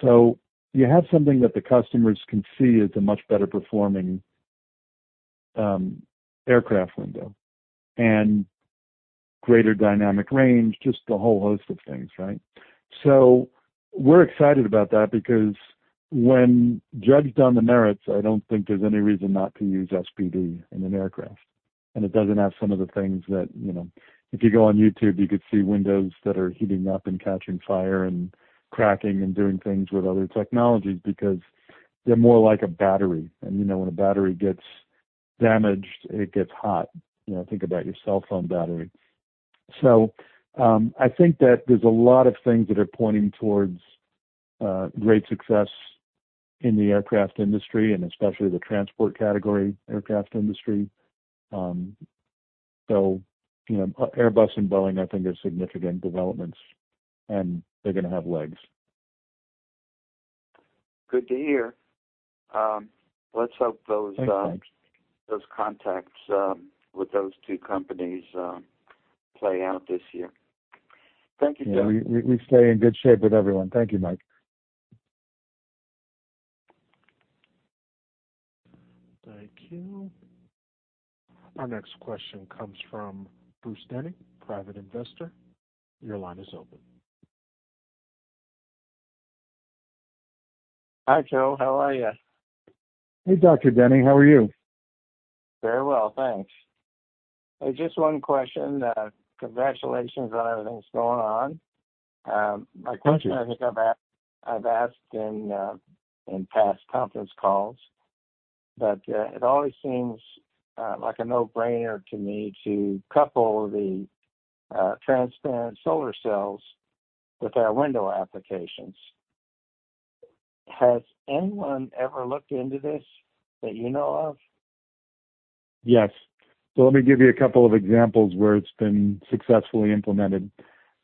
So you have something that the customers can see as a much better performing aircraft window and greater dynamic range, just a whole host of things, right? So we're excited about that because when judged on the merits, I don't think there's any reason not to use SPD in an aircraft. And it doesn't have some of the things that if you go on YouTube, you could see windows that are heating up and catching fire and cracking and doing things with other technologies because they're more like a battery. And when a battery gets damaged, it gets hot. Think about your cell phone battery. So I think that there's a lot of things that are pointing towards great success in the aircraft industry and especially the transport category aircraft industry. So Airbus and Boeing, I think, are significant developments, and they're going to have legs. Good to hear. Let's hope those contacts with those two companies play out this year. Thank you, Joe. Yeah. We stay in good shape with everyone. Thank you, Mike. Thank you. Our next question comes from Bruce Denny, private investor. Your line is open. Hi, Joe. How are you? Hey, Dr. Denny. How are you? Very well, thanks. Hey, just one question. Congratulations on everything's going on. My question, I think I've asked in past conference calls, but it always seems like a no-brainer to me to couple the transparent solar cells with our window applications. Has anyone ever looked into this that you know of? Yes. So let me give you a couple of examples where it's been successfully implemented.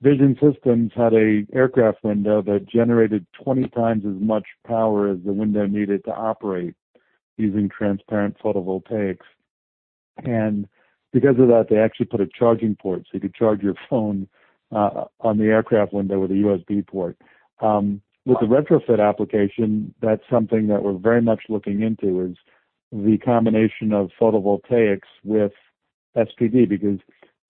Vision Systems had an aircraft window that generated 20 times as much power as the window needed to operate using transparent photovoltaics. And because of that, they actually put a charging port so you could charge your phone on the aircraft window with a USB port. With the retrofit application, that's something that we're very much looking into is the combination of photovoltaics with SPD because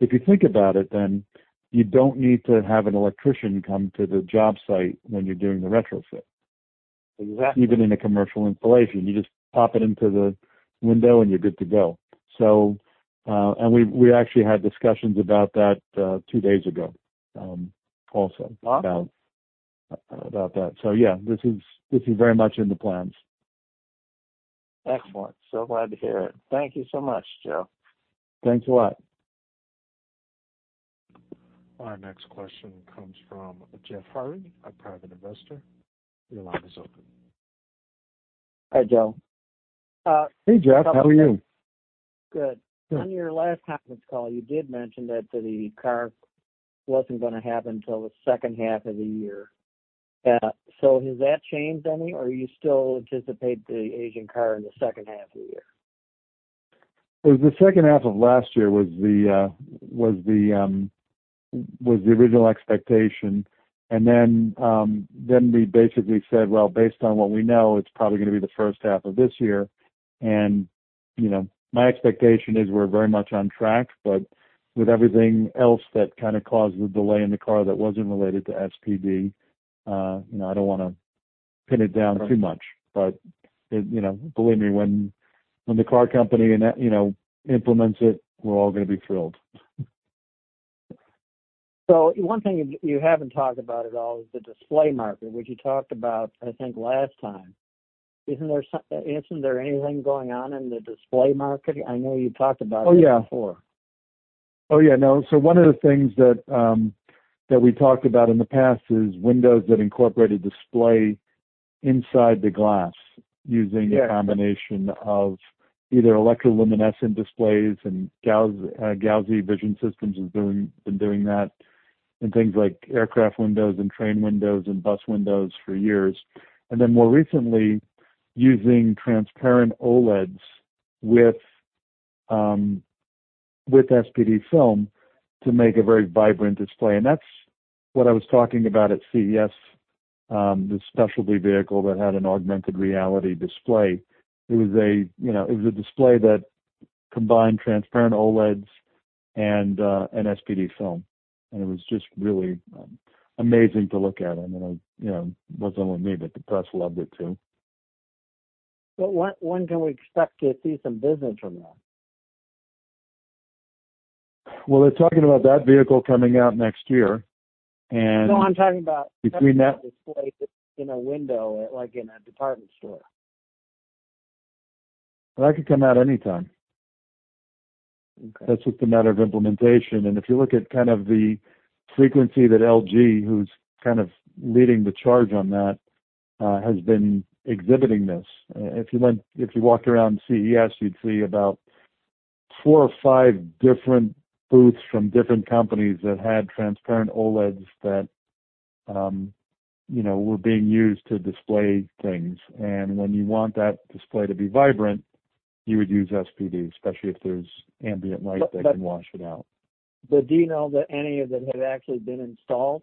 if you think about it, then you don't need to have an electrician come to the job site when you're doing the retrofit, even in a commercial installation. You just pop it into the window, and you're good to go. And we actually had discussions about that two days ago also about that. So yeah, this is very much in the plans. Excellent. So glad to hear it. Thank you so much, Joe. Thanks a lot. Our next question comes from Jeff Harry, a private investor. Your line is open. Hi, Joe. Hey, Jeff. How are you? Good. On your last conference call, you did mention that the car wasn't going to happen till the second half of the year. So has that changed any, or do you still anticipate the Asian car in the second half of the year? The second half of last year was the original expectation. And then we basically said, "Well, based on what we know, it's probably going to be the first half of this year." And my expectation is we're very much on track. But with everything else that kind of caused the delay in the car that wasn't related to SPD, I don't want to pin it down too much. But believe me, when the car company implements it, we're all going to be thrilled. So one thing you haven't talked about at all is the display market, which you talked about, I think, last time. Isn't there anything going on in the display market? I know you talked about that before. Oh, yeah. Oh, yeah. No. So one of the things that we talked about in the past is windows that incorporated display inside the glass using a combination of either electroluminescent displays - and Gauzy Vision Systems has been doing that - and things like aircraft windows and train windows and bus windows for years, and then more recently, using transparent OLEDs with SPD film to make a very vibrant display. And that's what I was talking about at CES, the specialty vehicle that had an augmented reality display. It was a display that combined transparent OLEDs and SPD film. And it was just really amazing to look at. I mean, it wasn't only me, but the press loved it too. Well, when can we expect to see some business from that? Well, they're talking about that vehicle coming out next year. And between that display in a window in a department store. Well, that could come out anytime. That's just a matter of implementation. And if you look at kind of the frequency that LG, who's kind of leading the charge on that, has been exhibiting this, if you walked around CES, you'd see about four or five different booths from different companies that had transparent OLEDs that were being used to display things. And when you want that display to be vibrant, you would use SPD, especially if there's ambient light that can wash it out. But do you know of any that have actually been installed?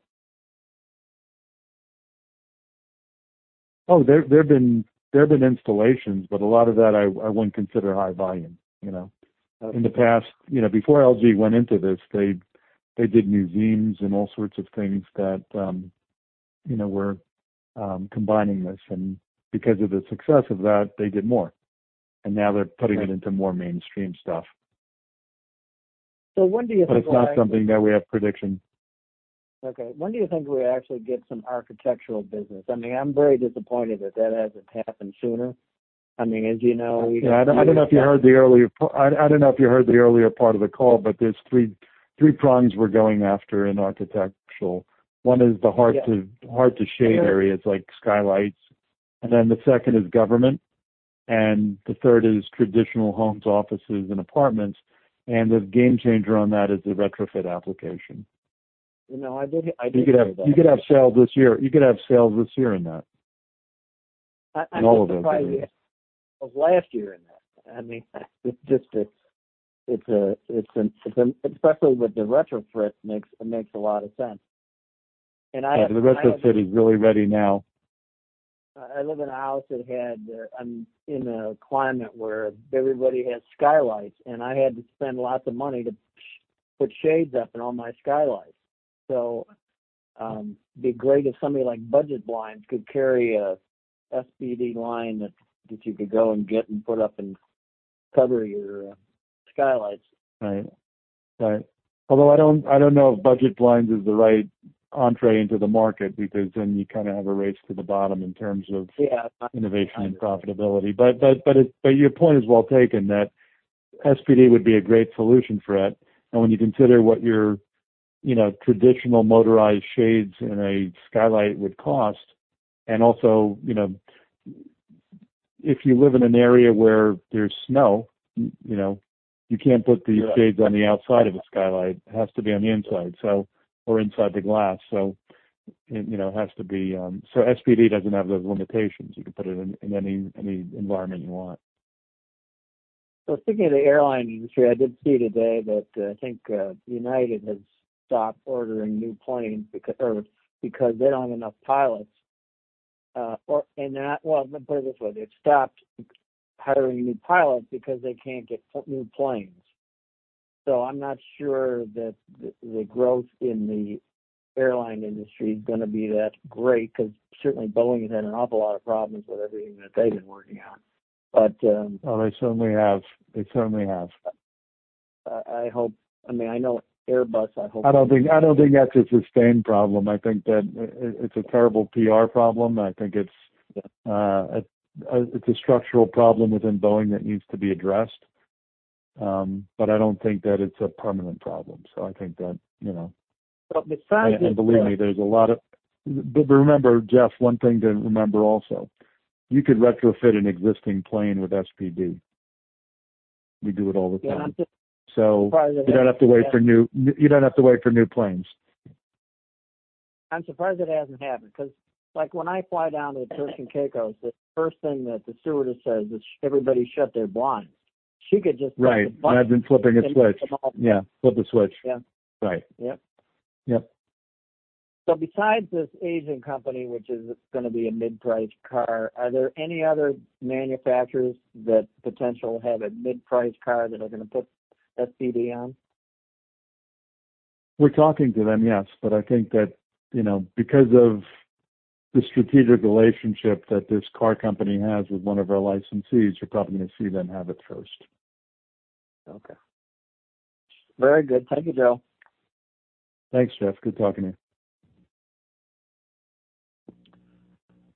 Oh, there have been installations, but a lot of that, I wouldn't consider high volume. In the past, before LG went into this, they did museums and all sorts of things that were combining this. And because of the success of that, they did more. And now they're putting it into more mainstream stuff. So when do you think? But it's not something that we have prediction. Okay. When do you think we'll actually get some architectural business? I mean, I'm very disappointed that that hasn't happened sooner. I mean, as you know, we have to. Yeah. I don't know if you heard the earlier part of the call, but there's three prongs we're going after in architectural. One is the hard-to-shade areas like skylights. And then the second is government. And the third is traditional homes, offices, and apartments. And the game changer on that is the retrofit application. I did hear about that. You could have sales this year. You could have sales this year in that, in all of those areas. I think it was probably last year in that. I mean, it's just, especially with the retrofit, it makes a lot of sense. And I have to say, yeah. The retrofit is really ready now. I live in a house. I'm in a climate where everybody has skylights. And I had to spend lots of money to put shades up in all my skylights. So it'd be great if somebody like Budget Blinds could carry an SPD line that you could go and get and put up and cover your skylights. Right. Right. Although I don't know if Budget Blinds is the right entry into the market because then you kind of have a race to the bottom in terms of innovation and profitability. But your point is well taken, that SPD would be a great solution for it. When you consider what your traditional motorized shades in a skylight would cost, and also if you live in an area where there's snow, you can't put the shades on the outside of a skylight. It has to be on the inside or inside the glass. So it has to be so SPD doesn't have those limitations. You can put it in any environment you want. So thinking of the airline industry, I did see today that I think United has stopped ordering new planes because they don't have enough pilots. And they're not well, let me put it this way. They've stopped hiring new pilots because they can't get new planes. So I'm not sure that the growth in the airline industry is going to be that great because certainly, Boeing has had an awful lot of problems with everything that they've been working on. But. Oh, they certainly have. They certainly have. I mean, I know Airbus, I hope they don't. I don't think that's a sustained problem. I think that it's a terrible PR problem. I think it's a structural problem within Boeing that needs to be addressed. But I don't think that it's a permanent problem. So I think that. Well, And believe me, there's a lot of but remember, Jeff, one thing to remember also. You could retrofit an existing plane with SPD. We do it all the time. So you don't have to wait for new you don't have to wait for new planes. I'm surprised it hasn't happened because when I fly down to Turks and Caicos, the first thing that the stewardess says is, "Everybody shut their blinds." She could just put the button. Right. Imagine flipping a switch. Yeah. Flip a switch. Right. Yep. Yep. So besides this Asian company, which is going to be a mid-price car, are there any other manufacturers that potentially have a mid-price car that are going to put SPD on? We're talking to them, yes. But I think that because of the strategic relationship that this car company has with one of our licensees, you're probably going to see them have it first. Okay. Very good. Thank you, Joe. Thanks, Jeff. Good talking to you.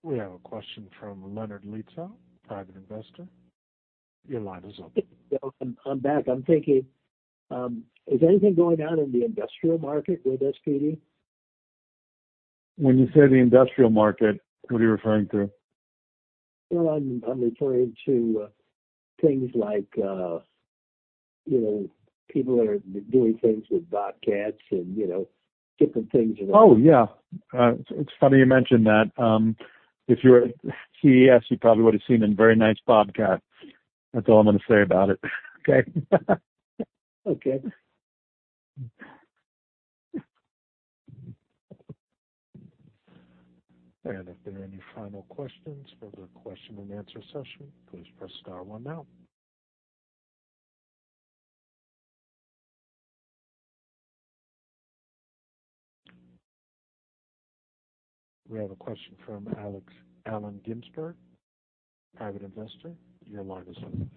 We have a question from Leonard Lietzau, private investor. Your line is open. Joe, I'm back. I'm thinking, is anything going on in the industrial market with SPD? When you say the industrial market, what are you referring to? Well, I'm referring to things like people are doing things with vodkas and different things that are. Oh, yeah. It's funny you mentioned that. If you were at CES, you probably would have seen a very nice vodka. That's all I'm going to say about it, okay? Okay. If there are any final questions, further question-and-answer session, please press star one now. We have a question from Alan Ginsberg, private investor. Your line is open.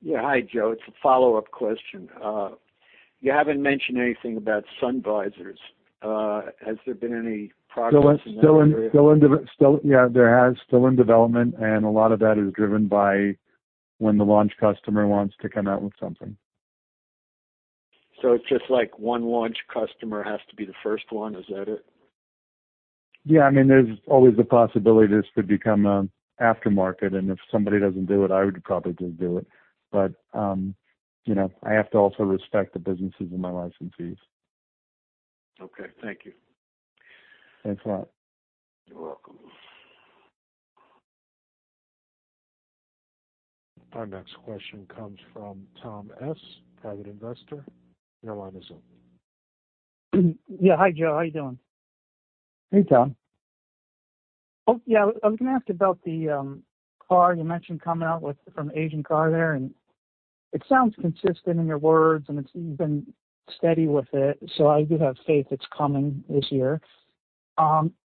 Yeah. Hi, Joe. It's a follow-up question. You haven't mentioned anything about Sunvisors. Has there been any progress in that area? Yeah. There has. Still in development. And a lot of that is driven by when the launch customer wants to come out with something. So it's just like one launch customer has to be the first one. Is that it? Yeah. I mean, there's always the possibility this could become an aftermarket. And if somebody doesn't do it, I would probably just do it. But I have to also respect the businesses and my licensees. Okay. Thank you. Thanks a lot. You're welcome. Our next question comes from Tom S., private investor. Your line is open. Yeah. Hi, Joe. How are you doing? Hey, Tom. Oh, yeah. I was going to ask about the car. You mentioned coming out with some Asian car there. And it sounds consistent in your words, and it's even steady with it. So I do have faith it's coming this year.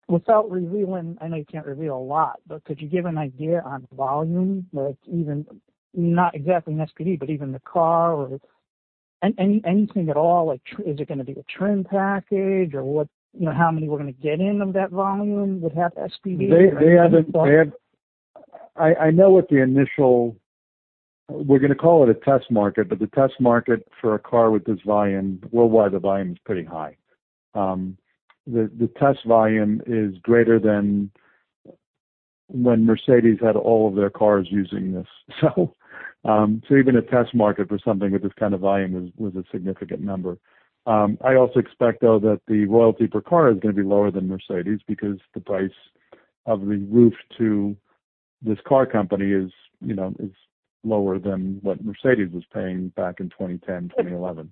Without revealing, I know you can't reveal a lot, but could you give an idea on volume that's even not exactly an SPD, but even the car or anything at all? Is it going to be a trim package, or how many we're going to get in of that volume would have SPD? They haven't. I know what the initial we're going to call it a test market. But the test market for a car with this volume worldwide, the volume is pretty high. The test volume is greater than when Mercedes had all of their cars using this. So even a test market for something with this kind of volume was a significant number. I also expect, though, that the royalty per car is going to be lower than Mercedes because the price of the roof to this car company is lower than what Mercedes was paying back in 2010, 2011.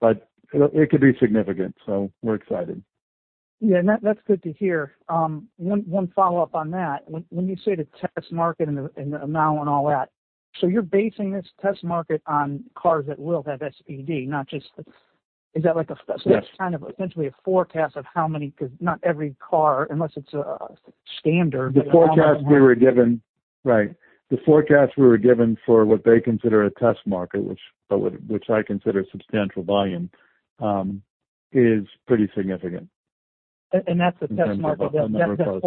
But it could be significant. So we're excited. Yeah. And that's good to hear. One follow-up on that. When you say the test market and the amount and all that, so you're basing this test market on cars that will have SPD, not just is that kind of essentially a forecast of how many? Because not every car, unless it's a standard. The forecast we were given for what they consider a test market, which I consider substantial volume, is pretty significant. And that's the test market that's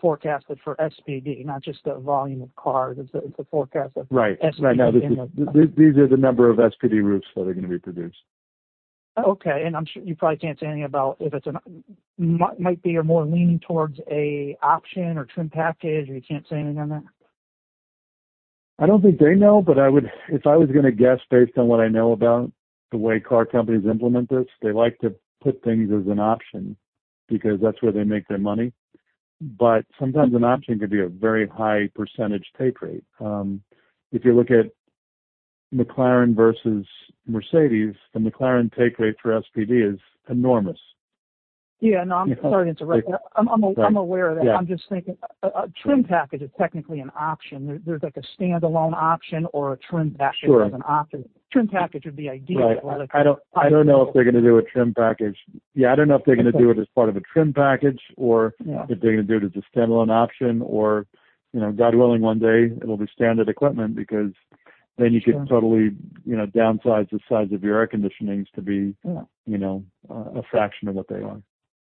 forecasted for SPD, not just the volume of cars. It's a forecast of SPD in there. Right. Right. Now, these are the number of SPD roofs that are going to be produced. Okay. And you probably can't say anything about if it might be more leaning towards an option or trim package, or you can't say anything on that? I don't think they know. But if I was going to guess based on what I know about the way car companies implement this, they like to put things as an option because that's where they make their money. But sometimes, an option could be a very high percentage take rate. If you look at McLaren versus Mercedes, the McLaren take rate for SPD is enormous. Yeah. No, I'm sorry to interrupt you. I'm aware of that. I'm just thinking, a trim package is technically an option. There's a standalone option or a trim package as an option. Trim package would be ideal if all that's included. Right. I don't know if they're going to do a trim package. Yeah. I don't know if they're going to do it as part of a trim package or if they're going to do it as a standalone option. Or God willing, one day, it'll be standard equipment because then you could totally downsize the size of your air conditionings to be a fraction of what they are.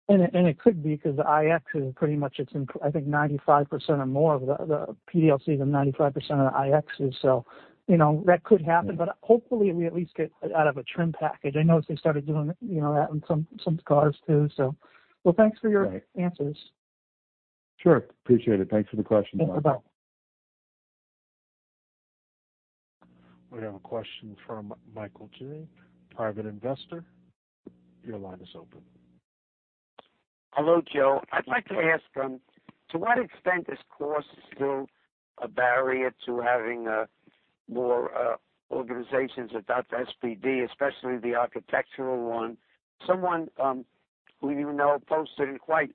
And it could be because the iX is pretty much it's in, I think, 95% or more of the PDLCs and 95% of the iXs. So that could happen. But hopefully, we at least get out of a trim package. I noticed they started doing that in some cars too, so. Well, thanks for your answers. Sure. Appreciate it. Thanks for the question, Tom. Yeah. Bye-bye. We have a question from Michael J., private investor. Your line is open. Hello, Joe. I'd like to ask, to what extent is cost still a barrier to having more organizations adopt SPD, especially the architectural one? Someone who you know posted in quite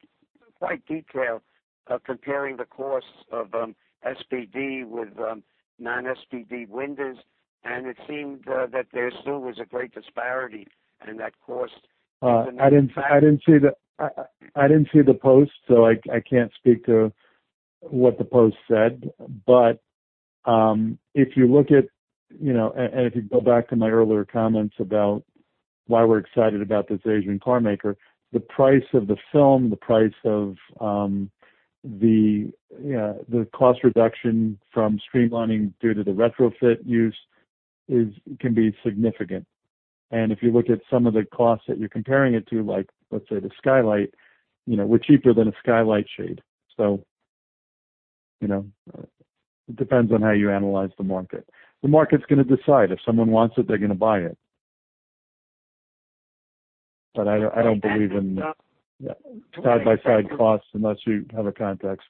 detail comparing the cost of SPD with non-SPD windows. And it seemed that there still was a great disparity in that cost even in the past. I didn't see the post, so I can't speak to what the post said. But if you look at, and if you go back to my earlier comments about why we're excited about this Asian car maker, the price of the film, the price of the cost reduction from streamlining due to the retrofit use can be significant. And if you look at some of the costs that you're comparing it to, let's say, the skylight, we're cheaper than a skylight shade. So it depends on how you analyze the market. The market's going to decide. If someone wants it, they're going to buy it. But I don't believe in. Yeah. Side-by-side costs unless you have a context.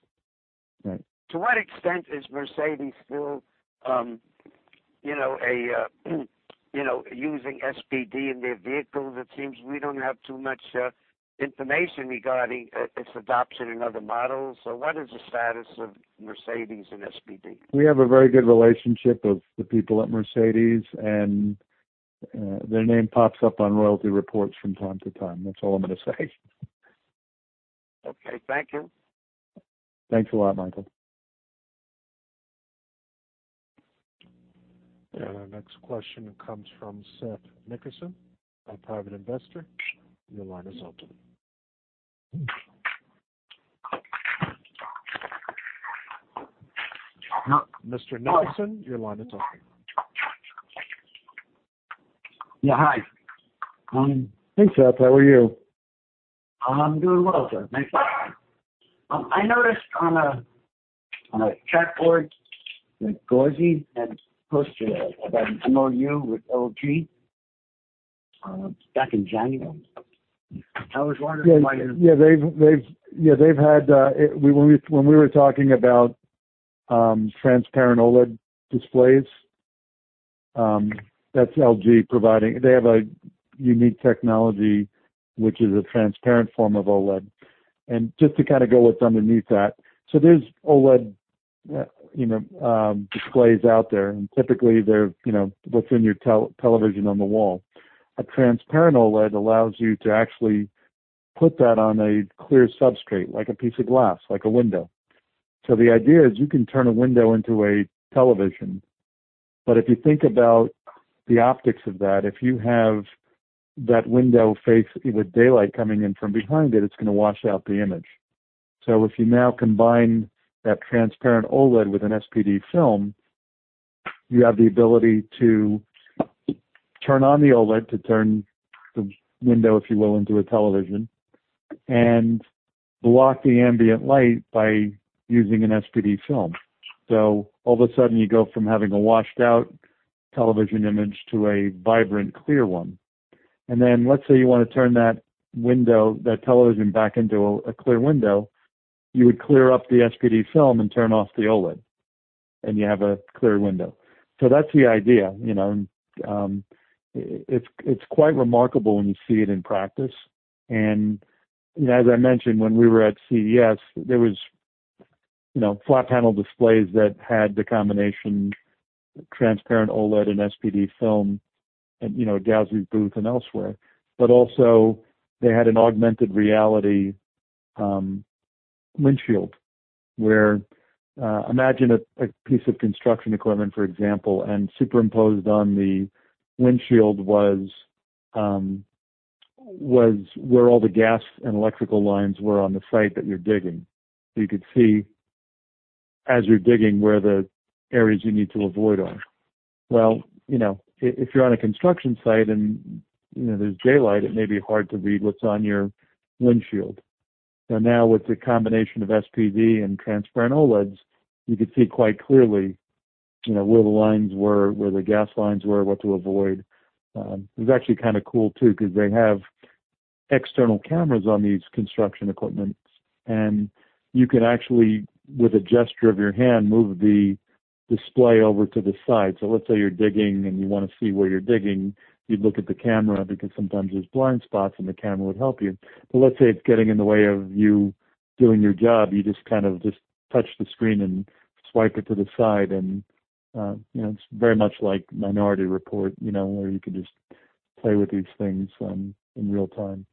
Right. To what extent is Mercedes still using SPD in their vehicles? It seems we don't have too much information regarding its adoption in other models. So what is the status of Mercedes and SPD? We have a very good relationship of the people at Mercedes. And their name pops up on royalty reports from time to time. That's all I'm going to say. Okay. Thank you. Thanks a lot, Michael. And our next question comes from Seth Nicholson, a private investor. Your line is open. Mr. Nicholson, your line is open. Yeah. Hi. Hey, Seth. How are you? I'm doing well, Seth. Thanks for asking. I noticed on a chat board that Gauzy had posted about an MOU with LG back in January. I was wondering why you're. Y eah. Yeah. They've had when we were talking about transparent OLED displays, that's LG providing. They have a unique technology, which is a transparent form of OLED. And just to kind of go what's underneath that so there's OLED displays out there. And typically, they're what's in your television on the wall. A transparent OLED allows you to actually put that on a clear substrate, like a piece of glass, like a window. So the idea is you can turn a window into a television. But if you think about the optics of that, if you have that window facing with daylight coming in from behind it, it's going to wash out the image. So if you now combine that transparent OLED with an SPD film, you have the ability to turn on the OLED, to turn the window, if you will, into a television, and block the ambient light by using an SPD film. So all of a sudden, you go from having a washed-out television image to a vibrant, clear one. And then let's say you want to turn that television back into a clear window. You would clear up the SPD film and turn off the OLED. You have a clear window. So that's the idea. And it's quite remarkable when you see it in practice. And as I mentioned, when we were at CES, there was flat-panel displays that had the combination transparent OLED and SPD film at Gauzy's booth and elsewhere. But also, they had an augmented reality windshield where imagine a piece of construction equipment, for example, and superimposed on the windshield was where all the gas and electrical lines were on the site that you're digging. So you could see, as you're digging, where the areas you need to avoid are. Well, if you're on a construction site and there's daylight, it may be hard to read what's on your windshield. Now, with the combination of SPD and transparent OLEDs, you could see quite clearly where the lines were, where the gas lines were, what to avoid. It was actually kind of cool too because they have external cameras on these construction equipment. And you can actually, with a gesture of your hand, move the display over to the side. So let's say you're digging, and you want to see where you're digging. You'd look at the camera because sometimes, there's blind spots, and the camera would help you. But let's say it's getting in the way of you doing your job. You just kind of just touch the screen and swipe it to the side. And it's very much like Minority Report where you could just play with these things in real time.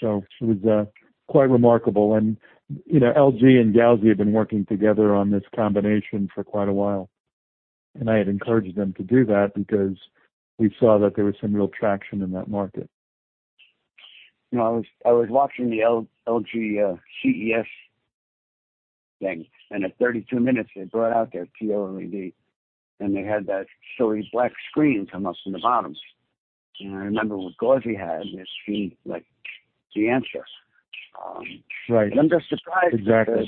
So it was quite remarkable. And LG and Gauzy have been working together on this combination for quite a while. And I had encouraged them to do that because we saw that there was some real traction in that market. I was watching the LG CES thing. At 32 minutes, they brought out their TOLED. And they had that silly black screen come up from the bottom. And I remember what Gauzy had. And it seemed like the answer. But I'm just surprised that.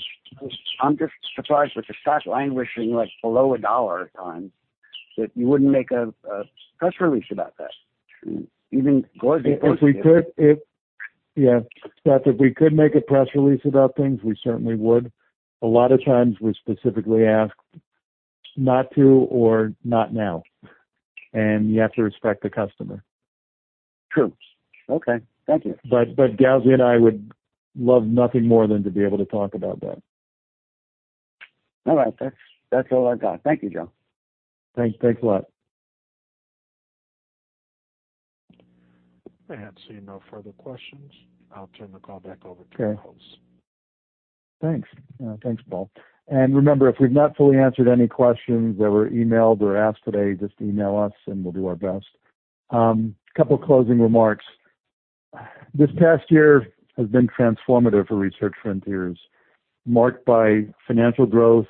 I'm just surprised with the stock languishing below $1 at times that you wouldn't make a press release about that. Even Gauzy posted that. Yeah. Seth, if we could make a press release about things, we certainly would. A lot of times, we're specifically asked not to or not now. And you have to respect the customer. True. Okay. Thank you. But Gauzy and I would love nothing more than to be able to talk about that. All right. That's all I've got. Thank you, Harary. Thanks a lot. I haven't seen no further questions. I'll turn the call back over to your host. Thanks. Thanks, Paul. Remember, if we've not fully answered any questions that were emailed or asked today, just email us, and we'll do our best. A couple of closing remarks. This past year has been transformative for Research Frontiers, marked by financial growth,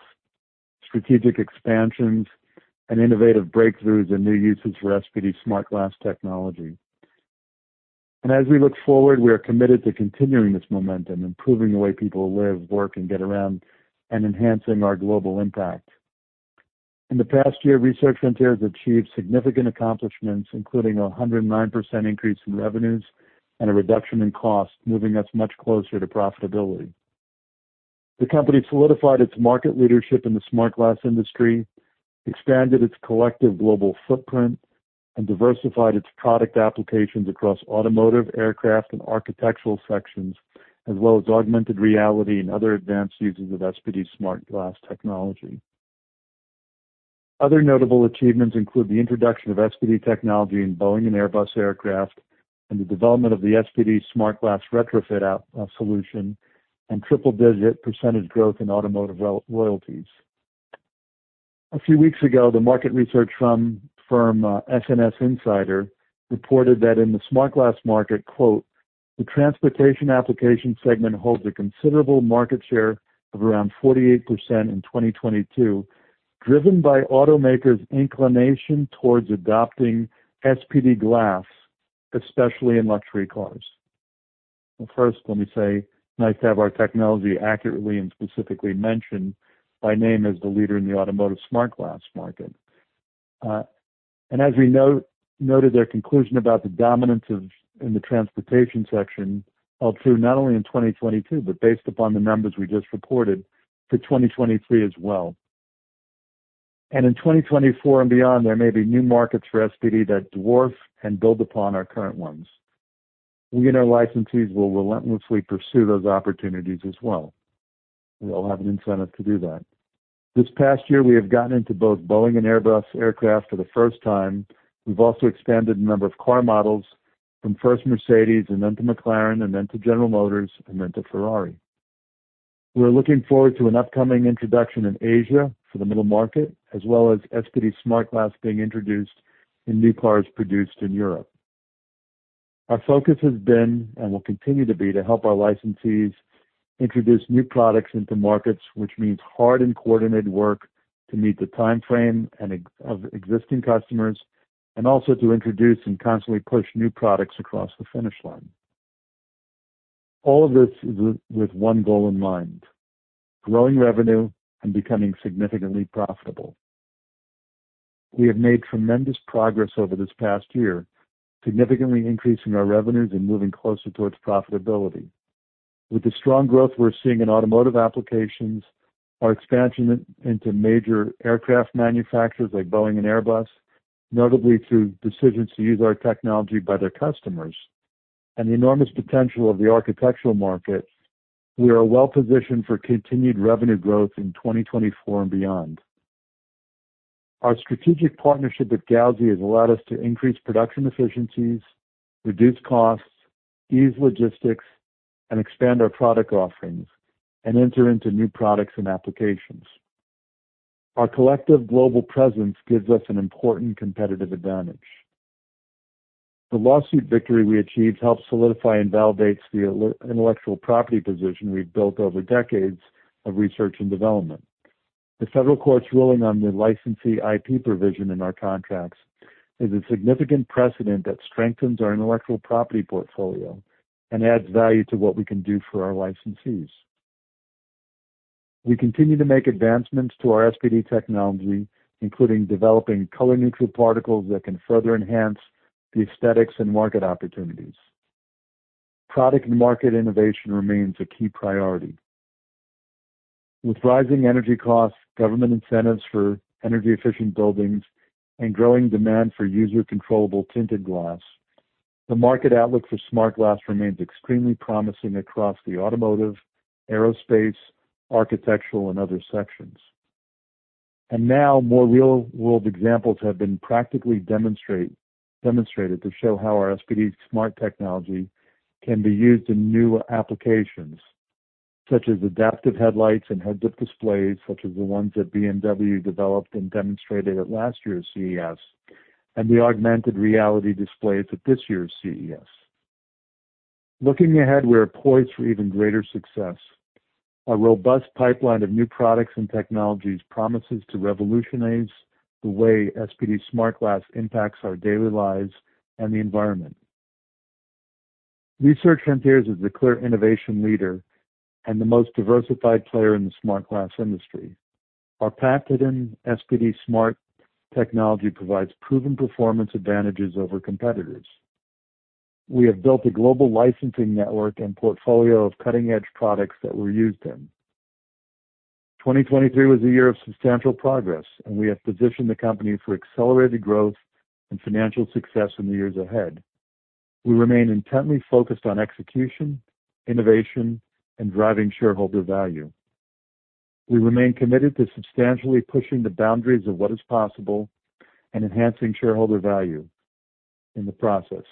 strategic expansions, and innovative breakthroughs in new uses for SPD smart glass technology. As we look forward, we are committed to continuing this momentum, improving the way people live, work, and get around, and enhancing our global impact. In the past year, Research Frontiers achieved significant accomplishments, including a 109% increase in revenues and a reduction in costs, moving us much closer to profitability. The company solidified its market leadership in the smart glass industry, expanded its collective global footprint, and diversified its product applications across automotive, aircraft, and architectural sections, as well as augmented reality and other advanced uses of SPD smart glass technology. Other notable achievements include the introduction of SPD technology in Boeing and Airbus aircraft and the development of the SPD smart glass retrofit solution and triple-digit percentage growth in automotive royalties. A few weeks ago, the market research firm SNS Insider reported that in the smart glass market, "The transportation application segment holds a considerable market share of around 48% in 2022, driven by automakers' inclination towards adopting SPD glass, especially in luxury cars." Well, first, let me say, nice to have our technology accurately and specifically mentioned by name as the leader in the automotive smart glass market. As we noted their conclusion about the dominance in the transportation section, it's true not only in 2022 but based upon the numbers we just reported for 2023 as well. In 2024 and beyond, there may be new markets for SPD that dwarf and build upon our current ones. We and our licensees will relentlessly pursue those opportunities as well. We all have an incentive to do that. This past year, we have gotten into both Boeing and Airbus aircraft for the first time. We've also expanded the number of car models from first Mercedes and then to McLaren and then to General Motors and then to Ferrari. We're looking forward to an upcoming introduction in Asia for the middle market, as well as SPD-SmartGlass being introduced in new cars produced in Europe. Our focus has been and will continue to be to help our licensees introduce new products into markets, which means hard and coordinated work to meet the time frame of existing customers and also to introduce and constantly push new products across the finish line. All of this is with one goal in mind: growing revenue and becoming significantly profitable. We have made tremendous progress over this past year, significantly increasing our revenues and moving closer towards profitability. With the strong growth we're seeing in automotive applications, our expansion into major aircraft manufacturers like Boeing and Airbus, notably through decisions to use our technology by their customers, and the enormous potential of the architectural market, we are well-positioned for continued revenue growth in 2024 and beyond. Our strategic partnership with Gauzy has allowed us to increase production efficiencies, reduce costs, ease logistics, and expand our product offerings and enter into new products and applications. Our collective global presence gives us an important competitive advantage. The lawsuit victory we achieved helps solidify and validate the intellectual property position we've built over decades of research and development. The federal court's ruling on the licensee IP provision in our contracts is a significant precedent that strengthens our intellectual property portfolio and adds value to what we can do for our licensees. We continue to make advancements to our SPD technology, including developing color-neutral particles that can further enhance the aesthetics and market opportunities. Product and market innovation remains a key priority. With rising energy costs, government incentives for energy-efficient buildings, and growing demand for user-controllable tinted glass, the market outlook for smart glass remains extremely promising across the automotive, aerospace, architectural, and other sections. And now, more real-world examples have been practically demonstrated to show how our SPD smart technology can be used in new applications, such as adaptive headlights and heads-up displays, such as the ones that BMW developed and demonstrated at last year's CES, and the augmented reality displays at this year's CES. Looking ahead, we are poised for even greater success. A robust pipeline of new products and technologies promises to revolutionize the way SPD smart glass impacts our daily lives and the environment. Research Frontiers is the clear innovation leader and the most diversified player in the smart glass industry. Our patented SPD smart technology provides proven performance advantages over competitors. We have built a global licensing network and portfolio of cutting-edge products that we're used in. 2023 was a year of substantial progress, and we have positioned the company for accelerated growth and financial success in the years ahead. We remain intently focused on execution, innovation, and driving shareholder value. We remain committed to substantially pushing the boundaries of what is possible and enhancing shareholder value in the process.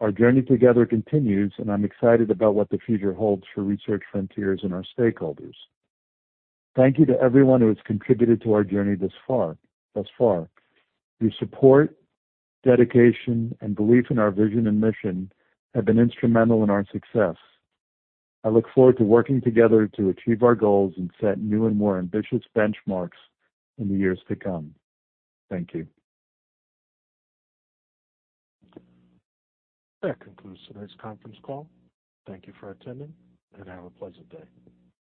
Our journey together continues, and I'm excited about what the future holds for Research Frontiers and our stakeholders. Thank you to everyone who has contributed to our journey thus far. Your support, dedication, and belief in our vision and mission have been instrumental in our success. I look forward to working together to achieve our goals and set new and more ambitious benchmarks in the years to come. Thank you. That concludes today's conference call. Thank you for attending, and have a pleasant day.